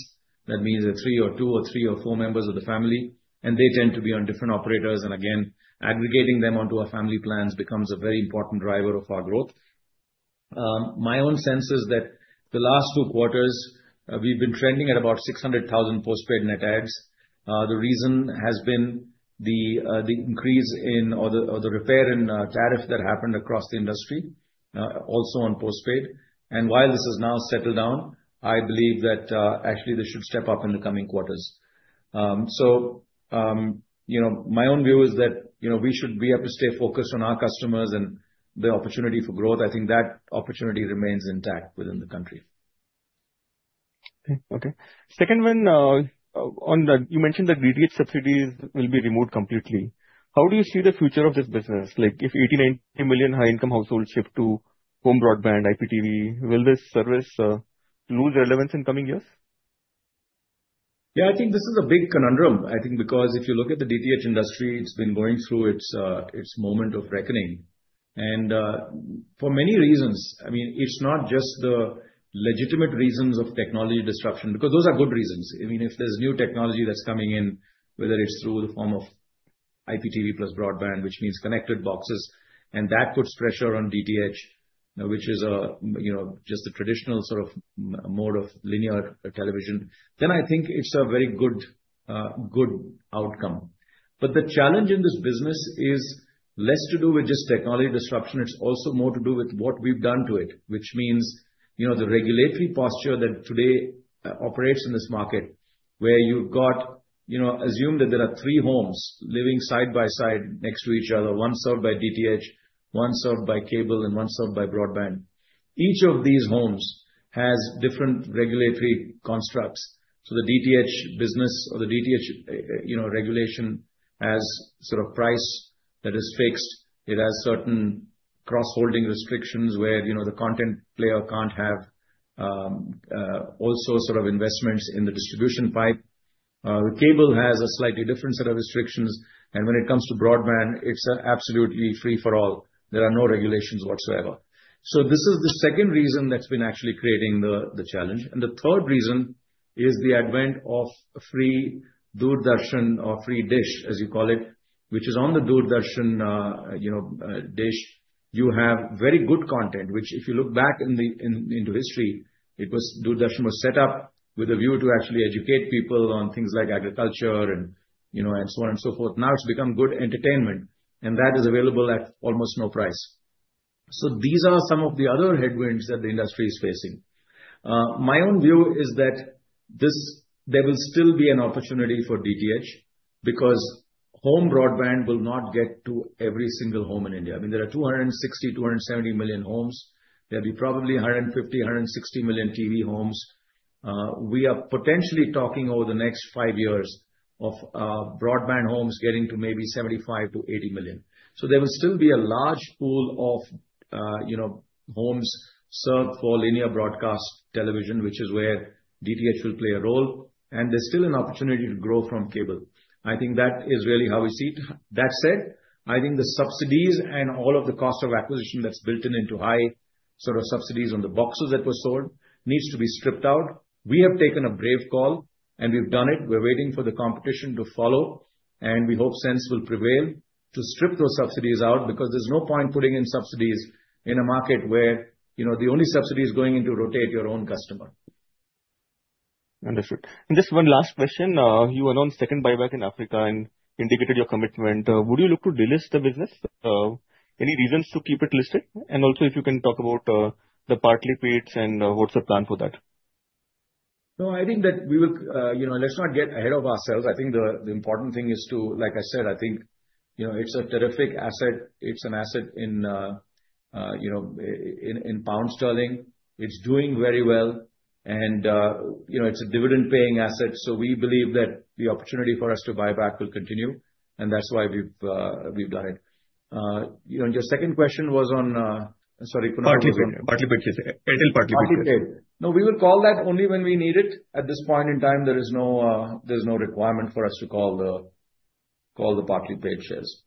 That means there are two or three or four members of the family. They tend to be on different operators. Again, aggregating them onto our family plans becomes a very important driver of our growth. My own sense is that the last two quarters, we've been trending at about 600,000 post-paid net adds. The reason has been the increase in the repair and tariff that happened across the industry, also on post-paid. While this has now settled down, I believe that actually they should step up in the coming quarters. My own view is that we should be able to stay focused on our customers and the opportunity for growth. I think that opportunity remains intact within the country. Okay. Second one, you mentioned that DTH subsidies will be removed completely. How do you see the future of this business? If 80 million-90 million high-income households shift to home broadband, IPTV, will this service lose relevance in coming years? Yeah, I think this is a big conundrum. I think because if you look at the DTH industry, it's been going through its moment of reckoning. For many reasons, I mean, it's not just the legitimate reasons of technology disruption because those are good reasons. I mean, if there's new technology that's coming in, whether it's through the form of IPTV plus broadband, which means connected boxes, and that puts pressure on DTH, which is just the traditional sort of mode of linear television, I think it's a very good outcome. The challenge in this business is less to do with just technology disruption. It's also more to do with what we've done to it, which means the regulatory posture that today operates in this market where you've got assumed that there are three homes living side by side next to each other, one served by DTH, one served by cable, and one served by broadband. Each of these homes has different regulatory constructs. The DTH business or the DTH regulation has sort of price that is fixed. It has certain cross-holding restrictions where the content player can't have all sorts of investments in the distribution pipe. The cable has a slightly different set of restrictions. When it comes to broadband, it's absolutely free for all. There are no regulations whatsoever. This is the second reason that's been actually creating the challenge. The third reason is the advent of free Doordarshan or free dish, as you call it, which is on the Doordarshan dish. You have very good content, which if you look back into history, Doordarshan was set up with a view to actually educate people on things like agriculture and so on and so forth. Now it has become good entertainment. That is available at almost no price. These are some of the other headwinds that the industry is facing. My own view is that there will still be an opportunity for DTH because home broadband will not get to every single home in India. I mean, there are 260 million-270 million homes. There will be probably 150 million-160 million TV homes. We are potentially talking over the next five years of broadband homes getting to maybe 75million-80 million. There will still be a large pool of homes served for linear broadcast television, which is where DTH will play a role. There is still an opportunity to grow from cable. I think that is really how we see it. That said, I think the subsidies and all of the cost of acquisition that is built in into high sort of subsidies on the boxes that were sold needs to be stripped out. We have taken a brave call, and we have done it. We are waiting for the competition to follow. We hope sense will prevail to strip those subsidies out because there is no point putting in subsidies in a market where the only subsidy is going into rotate your own customer. Understood. Just one last question. You announced second buyback in Africa and indicated your commitment. Would you look to delist the business? Any reasons to keep it listed? Also, if you can talk about the partly paid and what's the plan for that? No, I think that we will, let's not get ahead of ourselves. I think the important thing is to, like I said, I think it's a terrific asset. It's an asset in pound sterling. It's doing very well. It's a dividend-paying asset. We believe that the opportunity for us to buy back will continue. That's why we've done it. Your second question was on, sorry, partly paid. Partly paid. No, we will call that only when we need it. At this point in time, there is no requirement for us to call the partly paid shares.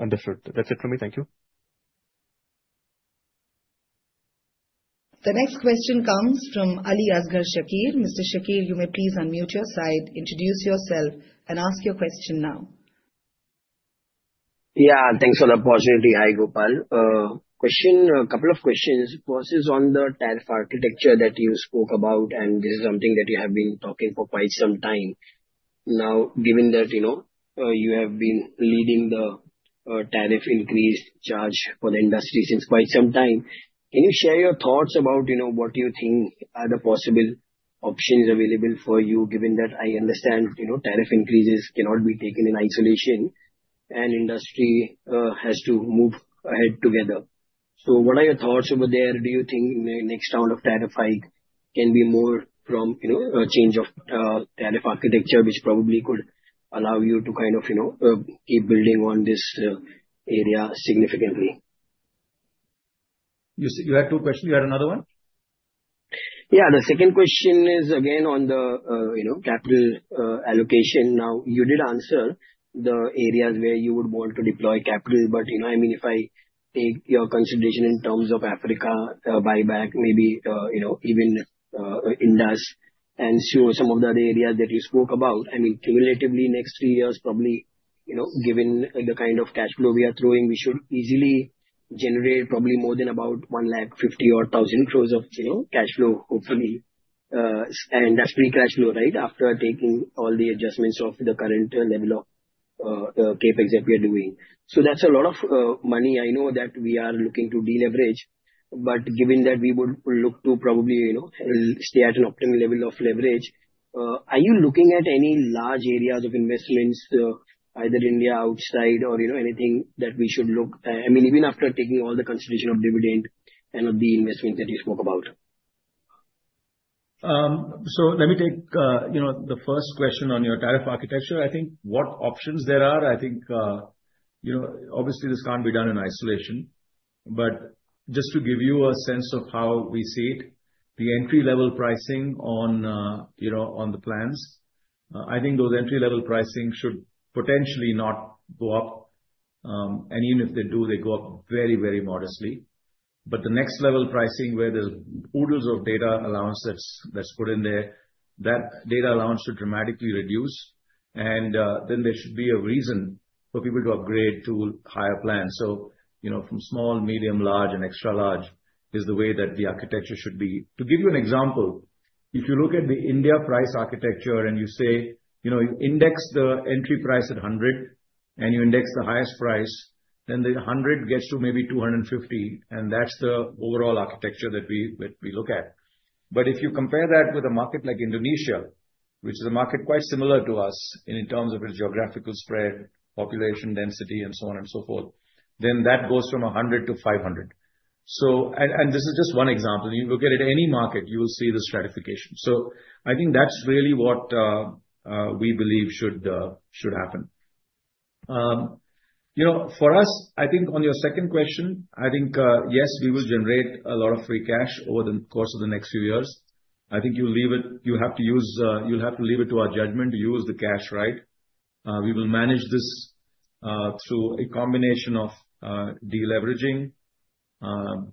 Understood. That's it from me. Thank you. The next question comes from Ali Asghar Shakir. Mr. Shakir, you may please unmute your side, introduce yourself, and ask your question now. Yeah, thanks for the opportunity. Hi, Gopal. A couple of questions. First is on the tariff architecture that you spoke about. This is something that you have been talking for quite some time. Now, given that you have been leading the tariff increase charge for the industry since quite some time, can you share your thoughts about what you think are the possible options available for you, given that I understand tariff increases cannot be taken in isolation and industry has to move ahead together? What are your thoughts over there? Do you think the next round of tariff hike can be more from a change of tariff architecture, which probably could allow you to kind of keep building on this area significantly? You had two questions. You had another one? Yeah. The second question is, again, on the capital allocation. Now, you did answer the areas where you would want to deploy capital. I mean, if I take your consideration in terms of Africa buyback, maybe even Indus, and some of the other areas that you spoke about, I mean, cumulatively, next three years, probably given the kind of cash flow we are throwing, we should easily generate probably more than about 150,000,000,000 or 1,000,000,000,000 of cash flow, hopefully. And that's pre-cash flow, right, after taking all the adjustments of the current level of CapEx that we are doing. That is a lot of money. I know that we are looking to deleverage. Given that we would look to probably stay at an optimal level of leverage, are you looking at any large areas of investments, either India outside or anything that we should look at? I mean, even after taking all the consideration of dividend and of the investment that you spoke about. Let me take the first question on your tariff architecture. I think what options there are, I think obviously this can't be done in isolation. Just to give you a sense of how we see it, the entry-level pricing on the plans, I think those entry-level pricing should potentially not go up. Even if they do, they go up very, very modestly. The next level pricing where there's oodles of data allowance that's put in there, that data allowance should dramatically reduce. There should be a reason for people to upgrade to higher plans. From small, medium, large, and extra large is the way that the architecture should be. To give you an example, if you look at the India price architecture and you say, "Index the entry price at 100," and you index the highest price, then the 100 gets to maybe 250. That is the overall architecture that we look at. If you compare that with a market like Indonesia, which is a market quite similar to us in terms of its geographical spread, population density, and so on and so forth, then that goes from 100 to 500. This is just one example. You look at it, any market, you will see the stratification. I think that is really what we believe should happen. For us, I think on your second question, I think, yes, we will generate a lot of free cash over the course of the next few years. I think you have to use, you'll have to leave it to our judgment to use the cash, right? We will manage this through a combination of deleveraging,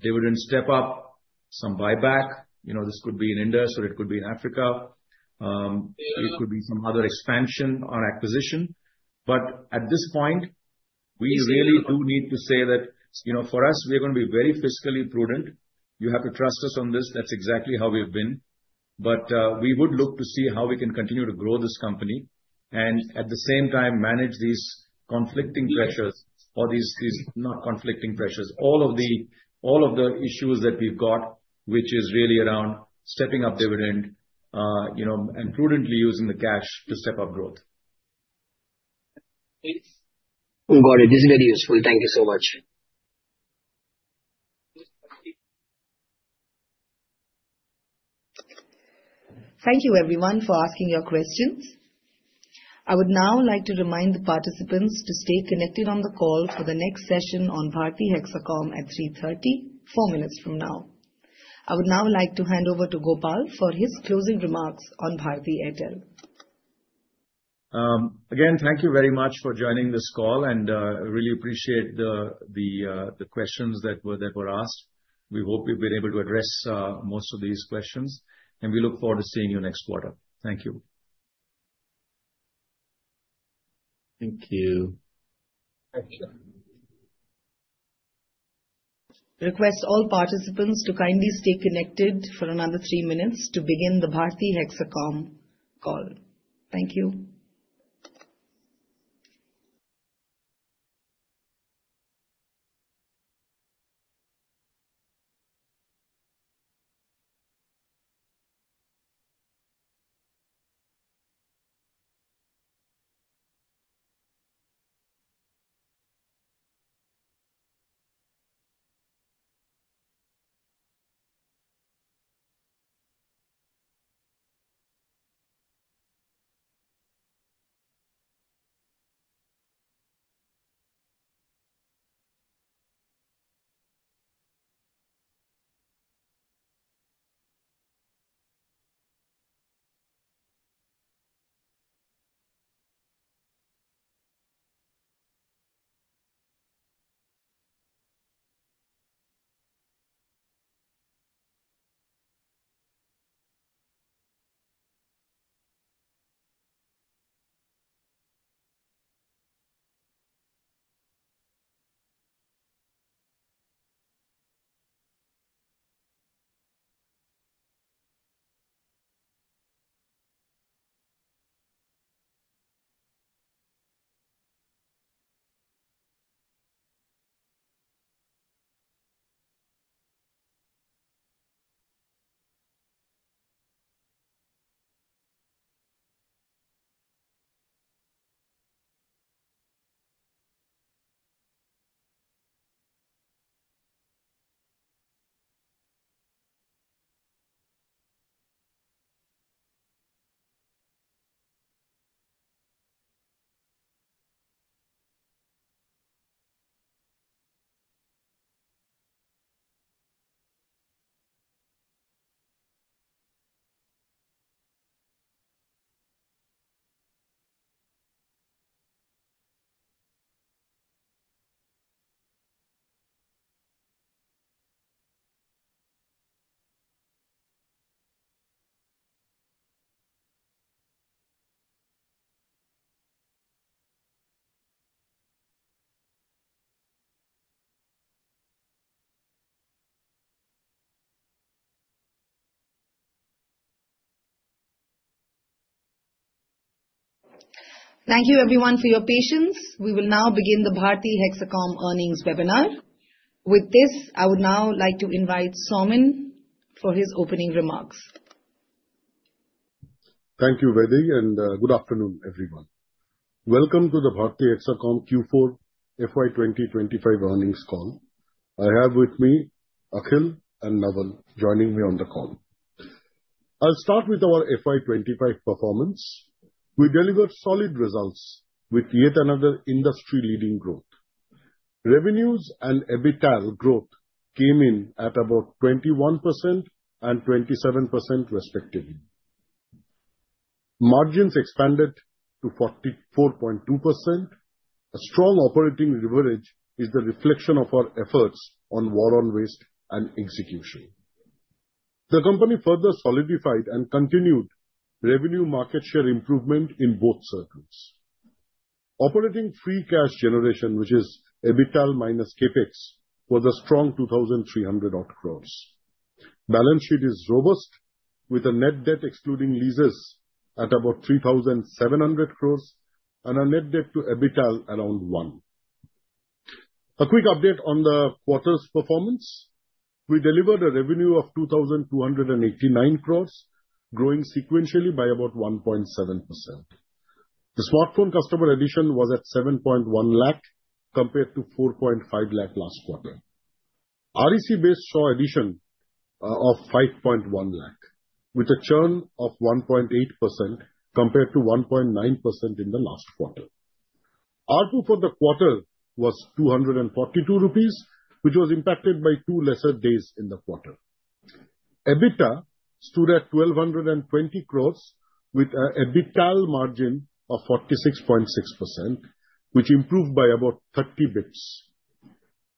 dividend step-up, some buyback. This could be in Indus Towers, or it could be in Africa. It could be some other expansion or acquisition. At this point, we really do need to say that for us, we are going to be very fiscally prudent. You have to trust us on this. That's exactly how we have been. We would look to see how we can continue to grow this company and at the same time manage these conflicting pressures or these not conflicting pressures, all of the issues that we've got, which is really around stepping up dividend and prudently using the cash to step up growth. Got it. This is very useful. Thank you so much. Thank you, everyone, for asking your questions. I would now like to remind the participants to stay connected on the call for the next session on Bharti Hexacom at 3:30 P.M., four minutes from now. I would now like to hand over to Gopal for his closing remarks on Bharti Airtel. Thank you very much for joining this call. I really appreciate the questions that were asked. We hope we've been able to address most of these questions. We look forward to seeing you next quarter. Thank you. Request all participants to kindly stay connected for another three minutes to begin the Bharti Hexacom call. Thank you. Thank you, everyone, for your patience. We will now begin the Bharti Hexacom earnings webinar. With this, I would now like to invite Somin for his opening remarks. Thank you, Vaidehi, and good afternoon, everyone. Welcome to the Bharti Hexacom Q4 FY 2025 earnings call. I have with me Akhil and Naval joining me on the call. I'll start with our FY 2025 performance. We delivered solid results with yet another industry-leading growth. Revenues and EBITDA growth came in at about 21% and 27%, respectively. Margins expanded to 44.2%. A strong operating leverage is the reflection of our efforts on war on waste and execution. The company further solidified and continued revenue market share improvement in both circles. Operating free cash generation, which is EBITDA minus CapEx, was a strong 2,300 crore. Balance sheet is robust with a net debt excluding leases at about 3,700 crore and a net debt to EBITDA around 1. A quick update on the quarter's performance. We delivered a revenue of 2,289 crore, growing sequentially by about 1.7%. The smartphone customer addition was at 710,000 compared to 450,000 last quarter. REC-based SHA addition of 510,000 with a churn of 1.8% compared to 1.9% in the last quarter. ARPU for the quarter was 242 rupees, which was impacted by two lesser days in the quarter. EBITDA stood at 1,220 crore with an EBITDA margin of 46.6%, which improved by about 30 basis points.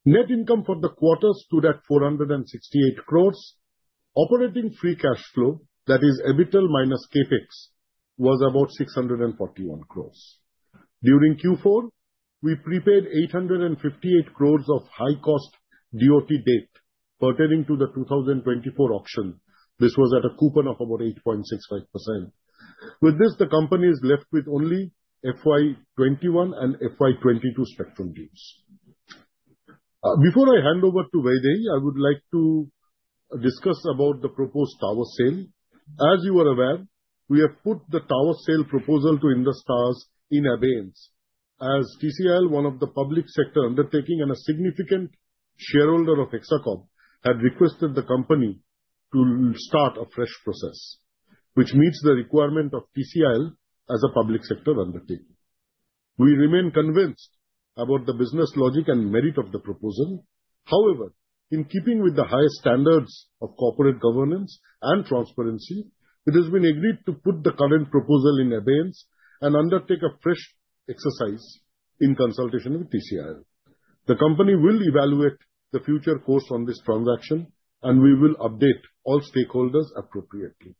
Net income for the quarter stood at 468 crore. Operating free cash flow, that is EBITDA minus CapEx, was about 641 crore. During Q4, we prepaid 858 crore of high-cost DOT debt pertaining to the 2024 auction. This was at a coupon of about 8.65%. With this, the company is left with only FY 2021 and FY 2022 spectrum deals. Before I hand over to Vaidehi, I would like to discuss about the proposed tower sale. As you are aware, we have put the tower sale proposal to Indus Towers in abeyance as TCIL, one of the public sector undertakings and a significant shareholder of Bharti Hexacom, had requested the company to start a fresh process, which meets the requirement of TCIL as a public sector undertaking. We remain convinced about the business logic and merit of the proposal. However, in keeping with the highest standards of corporate governance and transparency, it has been agreed to put the current proposal in abeyance and undertake a fresh exercise in consultation with TCIL. The company will evaluate the future course on this transaction, and we will update all stakeholders appropriately.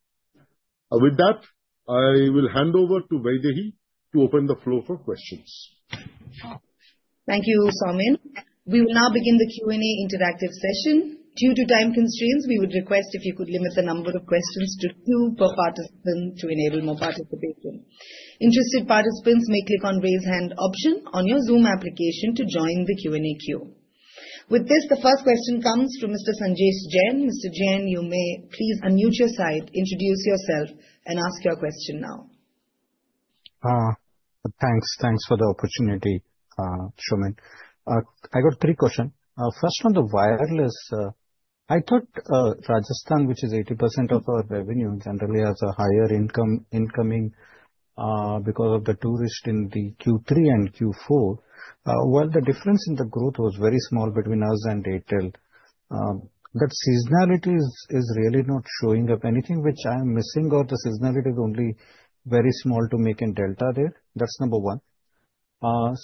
With that, I will hand over to Vaidehi to open the floor for questions. Thank you, Somin. We will now begin the Q&A interactive session. Due to time constraints, we would request if you could limit the number of questions to two per participant to enable more participation. Interested participants may click on the raise hand option on your Zoom application to join the Q&A queue. With this, the first question comes from Mr. Sanjesh Jain. Mr. Jain, you may please unmute your side, introduce yourself, and ask your question now. Thanks. Thanks for the opportunity, Somin. I got three questions. First, on the wireless, I thought Rajasthan, which is 80% of our revenue, generally has a higher income incoming because of the tourist in the Q3 and Q4. While the difference in the growth was very small between us and Airtel, that seasonality is really not showing up. Anything which I'm missing or the seasonality is only very small to make in Delta there. That's number one.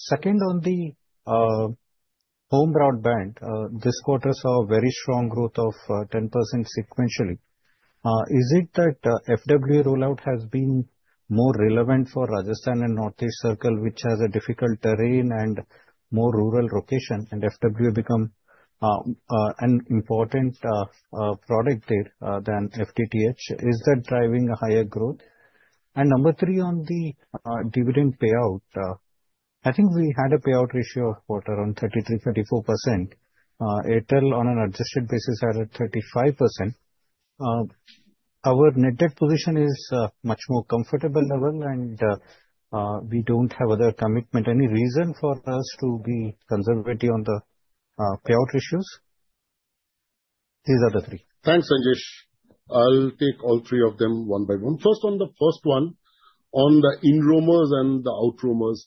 Second, on the home route band, this quarter saw a very strong growth of 10% sequentially. Is it that FWA rollout has been more relevant for Rajasthan and Northeast Circle, which has a difficult terrain and more rural location, and FWA become an important product there than FTTH? Is that driving a higher growth? Number three, on the dividend payout, I think we had a payout ratio of about 33%-34%. Airtel, on an adjusted basis, had 35%. Our net debt position is much more comfortable, Naval, and we do not have other commitment, any reason for us to be conservative on the payout issues. These are the three. Thanks, Sanjesh. I'll take all three of them one by one. First, on the first one, on the inroomers and the outroomers,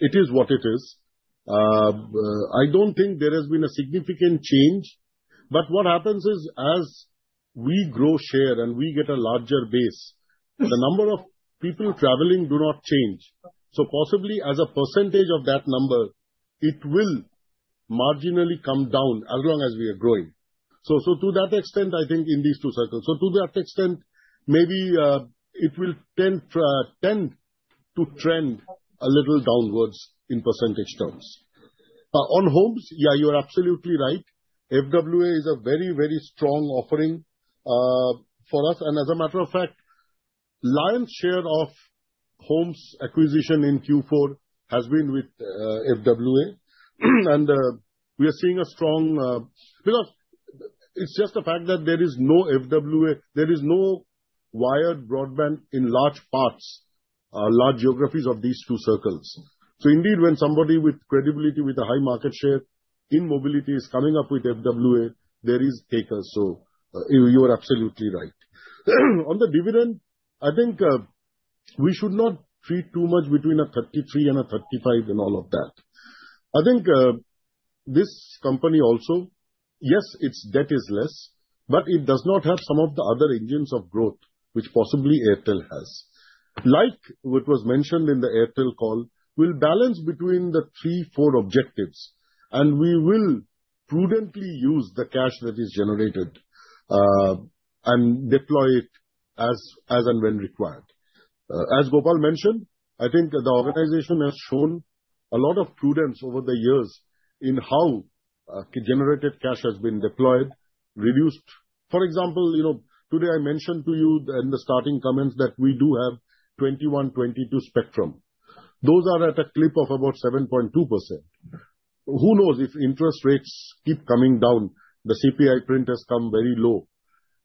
it is what it is. I do not think there has been a significant change. What happens is, as we grow share and we get a larger base, the number of people traveling do not change. Possibly, as a percentage of that number, it will marginally come down as long as we are growing. To that extent, I think in these two circles, maybe it will tend to trend a little downwards in percentage terms. On homes, yeah, you are absolutely right. FWA is a very, very strong offering for us. As a matter of fact, lion's share of homes acquisition in Q4 has been with FWA. We are seeing a strong because it is just the fact that there is no FWA, there is no wired broadband in large parts, large geographies of these two circles. Indeed, when somebody with credibility, with a high market share in mobility is coming up with FWA, there is takers. You are absolutely right. On the dividend, I think we should not treat too much between a 33 and a 35 and all of that. I think this company also, yes, its debt is less, but it does not have some of the other engines of growth, which possibly Airtel has. Like what was mentioned in the Airtel call, we will balance between the three, four objectives. We will prudently use the cash that is generated and deploy it as and when required. As Gopal mentioned, I think the organization has shown a lot of prudence over the years in how generated cash has been deployed, reduced. For example, today I mentioned to you in the starting comments that we do have 2021-2022 spectrum. Those are at a clip of about 7.2%. Who knows if interest rates keep coming down? The CPI print has come very low.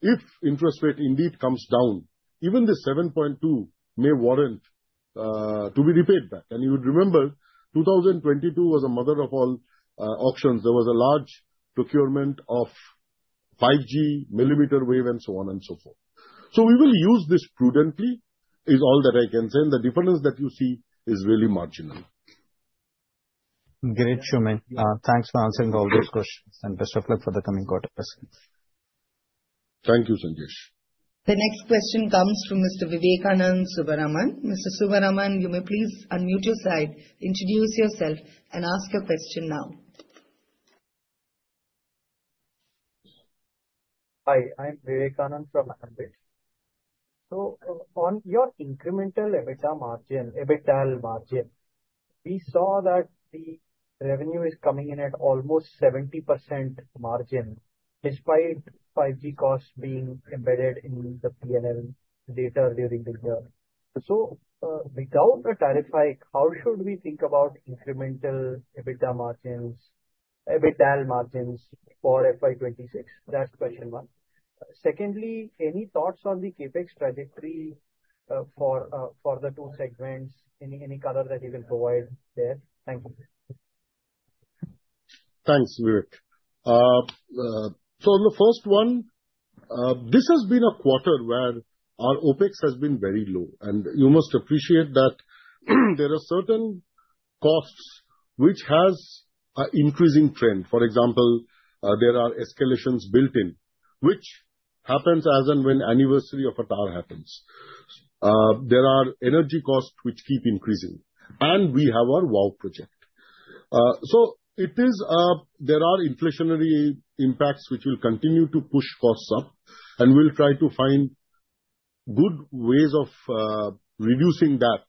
If interest rate indeed comes down, even the 7.2% may warrant to be repaid back. You would remember 2022 was a mother of all auctions. There was a large procurement of 5G, millimeter wave, and so on and so forth. We will use this prudently is all that I can say. The difference that you see is really marginal. Great, Somin. Thanks for answering all those questions. Best of luck for the coming quarters. Thank you, Sanjesh. The next question comes from Mr. Vivekanand Subaraman. Mr. Subaraman, you may please unmute your side, introduce yourself, and ask a question now. Hi, I'm Vivekanand from Advait. On your incremental EBITDA margin, EBITDA margin, we saw that the revenue is coming in at almost 70% margin despite 5G costs being embedded in the P&L data during the year. Without a tariff hike, how should we think about incremental EBITDA margins, EBITDA margins for FY 2026? That is question one. Secondly, any thoughts on the CapEx trajectory for the two segments? Any color that you can provide there? Thank you. Thanks, Vivek. On the first one, this has been a quarter where our OpEx has been very low. You must appreciate that there are certain costs which have an increasing trend. For example, there are escalations built in, which happen as and when anniversary of Atar happens. There are energy costs which keep increasing. We have our WoW project. There are inflationary impacts which will continue to push costs up. We will try to find good ways of reducing that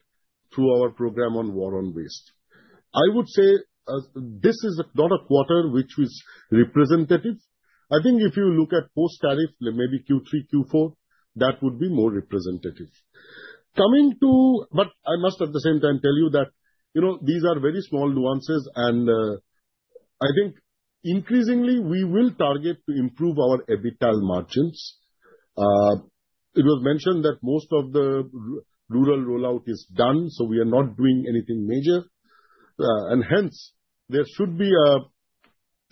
through our program on war on waste. I would say this is not a quarter which is representative. I think if you look at post-tariff, maybe Q3, Q4, that would be more representative. I must at the same time tell you that these are very small nuances. I think increasingly, we will target to improve our EBITDA margins. It was mentioned that most of the rural rollout is done, so we are not doing anything major. Hence, there should be a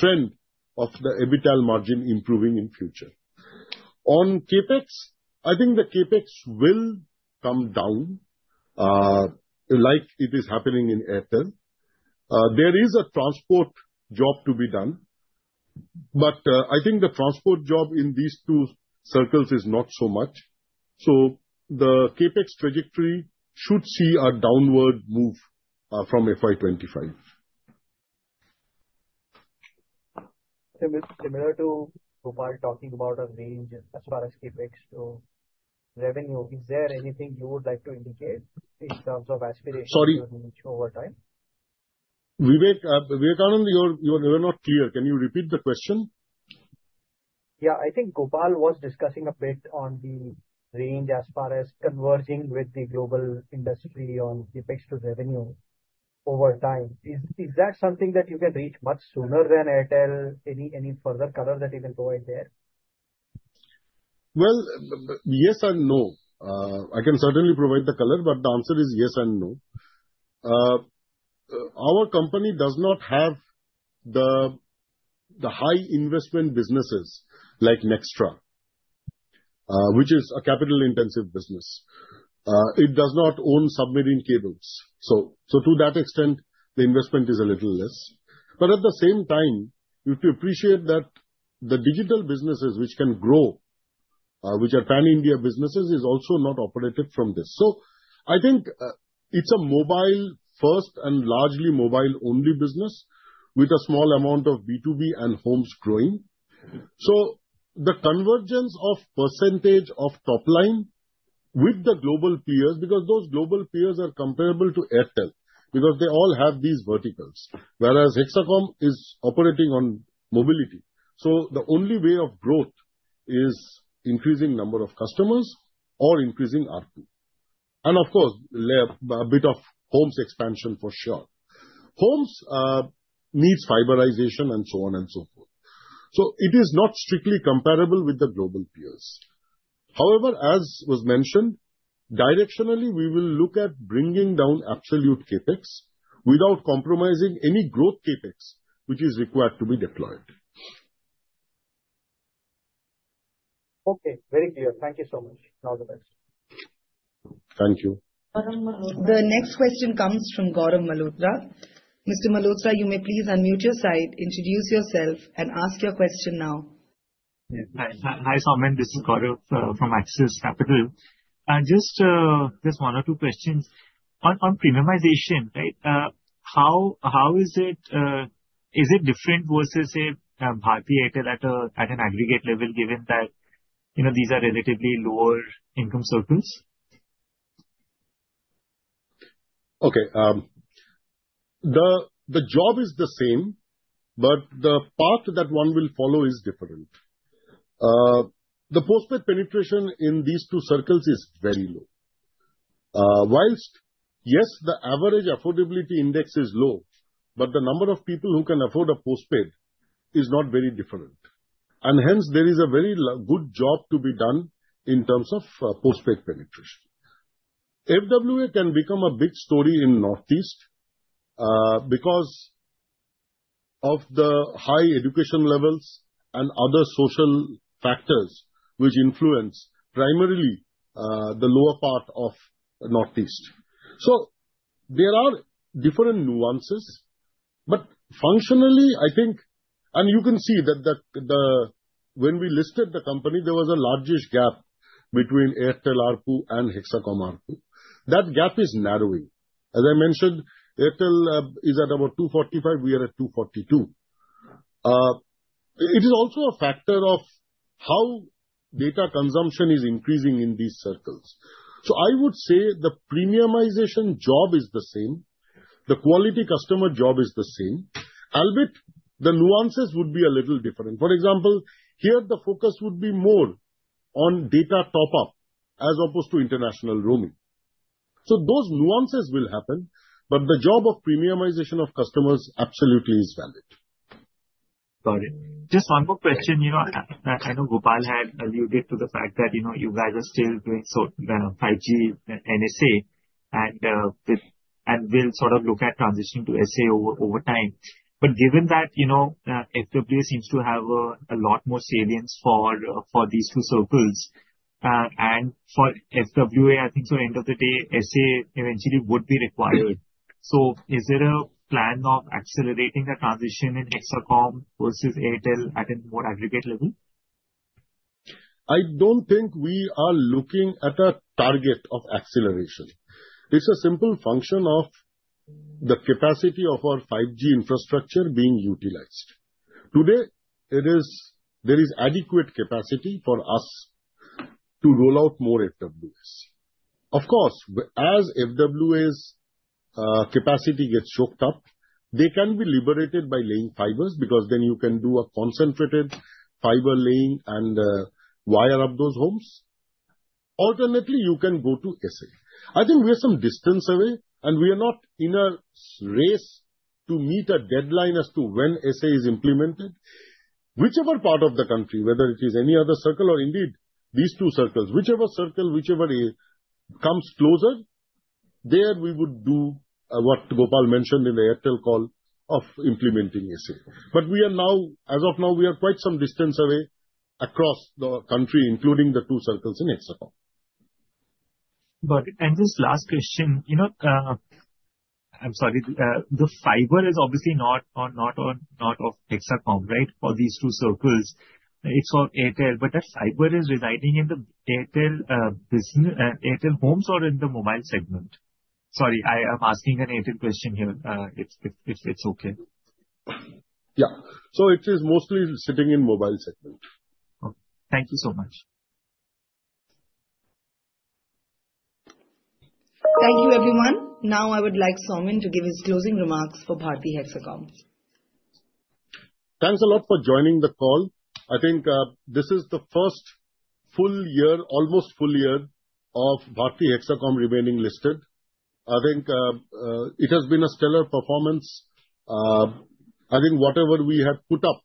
trend of the EBITDA margin improving in future. On CapEx, I think the CapEx will come down like it is happening in Hexacom. There is a transport job to be done. I think the transport job in these two circles is not so much. The CapEx trajectory should see a downward move from FY 2025. Similar to Gopal talking about a range as far as CapEx to revenue, is there anything you would like to indicate in terms of aspiration range over time? Vivek, Vivekanand, you were not clear. Can you repeat the question? Yeah, I think Gopal was discussing a bit on the range as far as converging with the global industry on CapEx to revenue over time. Is that something that you can reach much sooner than Airtel? Any further color that you can provide there? Yes and no. I can certainly provide the color, but the answer is yes and no. Our company does not have the high investment businesses like Nxtra, which is a capital-intensive business. It does not own submarine cables. To that extent, the investment is a little less. At the same time, you have to appreciate that the digital businesses which can grow, which are pan-India businesses, are also not operated from this. I think it's a mobile-first and largely mobile-only business with a small amount of B2B and homes growing. The convergence of % of top line with the global peers, because those global peers are comparable to Hexacom, because they all have these verticals, whereas Hexacom is operating on mobility. The only way of growth is increasing number of customers or increasing ARPU. Of course, a bit of homes expansion for sure. Homes needs fiberization and so on and so forth. It is not strictly comparable with the global peers. However, as was mentioned, directionally, we will look at bringing down absolute CapEx without compromising any growth CapEx which is required to be deployed. Okay, very clear. Thank you so much. All the best. Thank you. The next question comes from Gaurav Malhotra. Mr. Malhotra, you may please unmute your side, introduce yourself, and ask your question now. Hi, Somin. This is Gaurav from Axis Capital. Just one or two questions. On premiumization, right, how is it different versus a Bharti Airtel at an aggregate level given that these are relatively lower-income circles? Okay. The job is the same, but the path that one will follow is different. The postpaid penetration in these two circles is very low. Whilst, yes, the average affordability index is low, but the number of people who can afford a postpaid is not very different. Hence, there is a very good job to be done in terms of postpaid penetration. FWA can become a big story in Northeast because of the high education levels and other social factors which influence primarily the lower part of Northeast. There are different nuances. Functionally, I think, and you can see that when we listed the company, there was a largish gap between Airtel ARPU and Hexacom ARPU. That gap is narrowing. As I mentioned, Airtel is at about 245. We are at 242. It is also a factor of how data consumption is increasing in these circles. I would say the premiumization job is the same. The quality customer job is the same. A little bit, the nuances would be a little different. For example, here, the focus would be more on data top-up as opposed to international roaming. Those nuances will happen. The job of premiumization of customers absolutely is valid. Got it. Just one more question. I know Gopal had alluded to the fact that you guys are still doing 5G and SA and will sort of look at transitioning to SA over time. Given that FWA seems to have a lot more savings for these two circles. For FWA, I think end of the day, SA eventually would be required. Is there a plan of accelerating the transition in Hexacom versus Airtel at a more aggregate level? I do not think we are looking at a target of acceleration. It is a simple function of the capacity of our 5G infrastructure being utilized. Today, there is adequate capacity for us to roll out more FWAs. Of course, as FWAs' capacity gets choked up, they can be liberated by laying fibers because then you can do a concentrated fiber laying and wire up those homes. Alternately, you can go to SA. I think we are some distance away, and we are not in a race to meet a deadline as to when SA is implemented. Whichever part of the country, whether it is any other circle or indeed these two circles, whichever circle, whichever comes closer, there we would do what Gopal mentioned in the Airtel call of implementing SA. We are now, as of now, quite some distance away across the country, including the two circles in Hexacom. Got it. Just last question. I'm sorry. The fiber is obviously not of Hexacom, right, for these two circles. It's for Airtel. That fiber is residing in the Airtel homes or in the mobile segment? Sorry, I'm asking an Airtel question here, if it's okay. Yeah. It is mostly sitting in mobile segment. Thank you so much. Thank you, everyone. Now, I would like Somin to give his closing remarks for Bharti Hexacom. Thanks a lot for joining the call. I think this is the first full year, almost full year of Bharti Hexacom remaining listed. I think it has been a stellar performance. I think whatever we have put up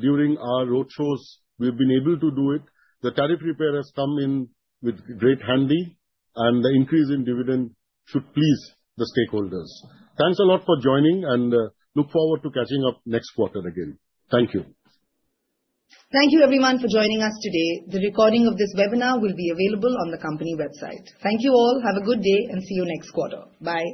during our road shows, we've been able to do it. The tariff repair has come in with great handy, and the increase in dividend should please the stakeholders. Thanks a lot for joining, and look forward to catching up next quarter again. Thank you. Thank you, everyone, for joining us today. The recording of this webinar will be available on the company website. Thank you all. Have a good day and see you next quarter. Bye.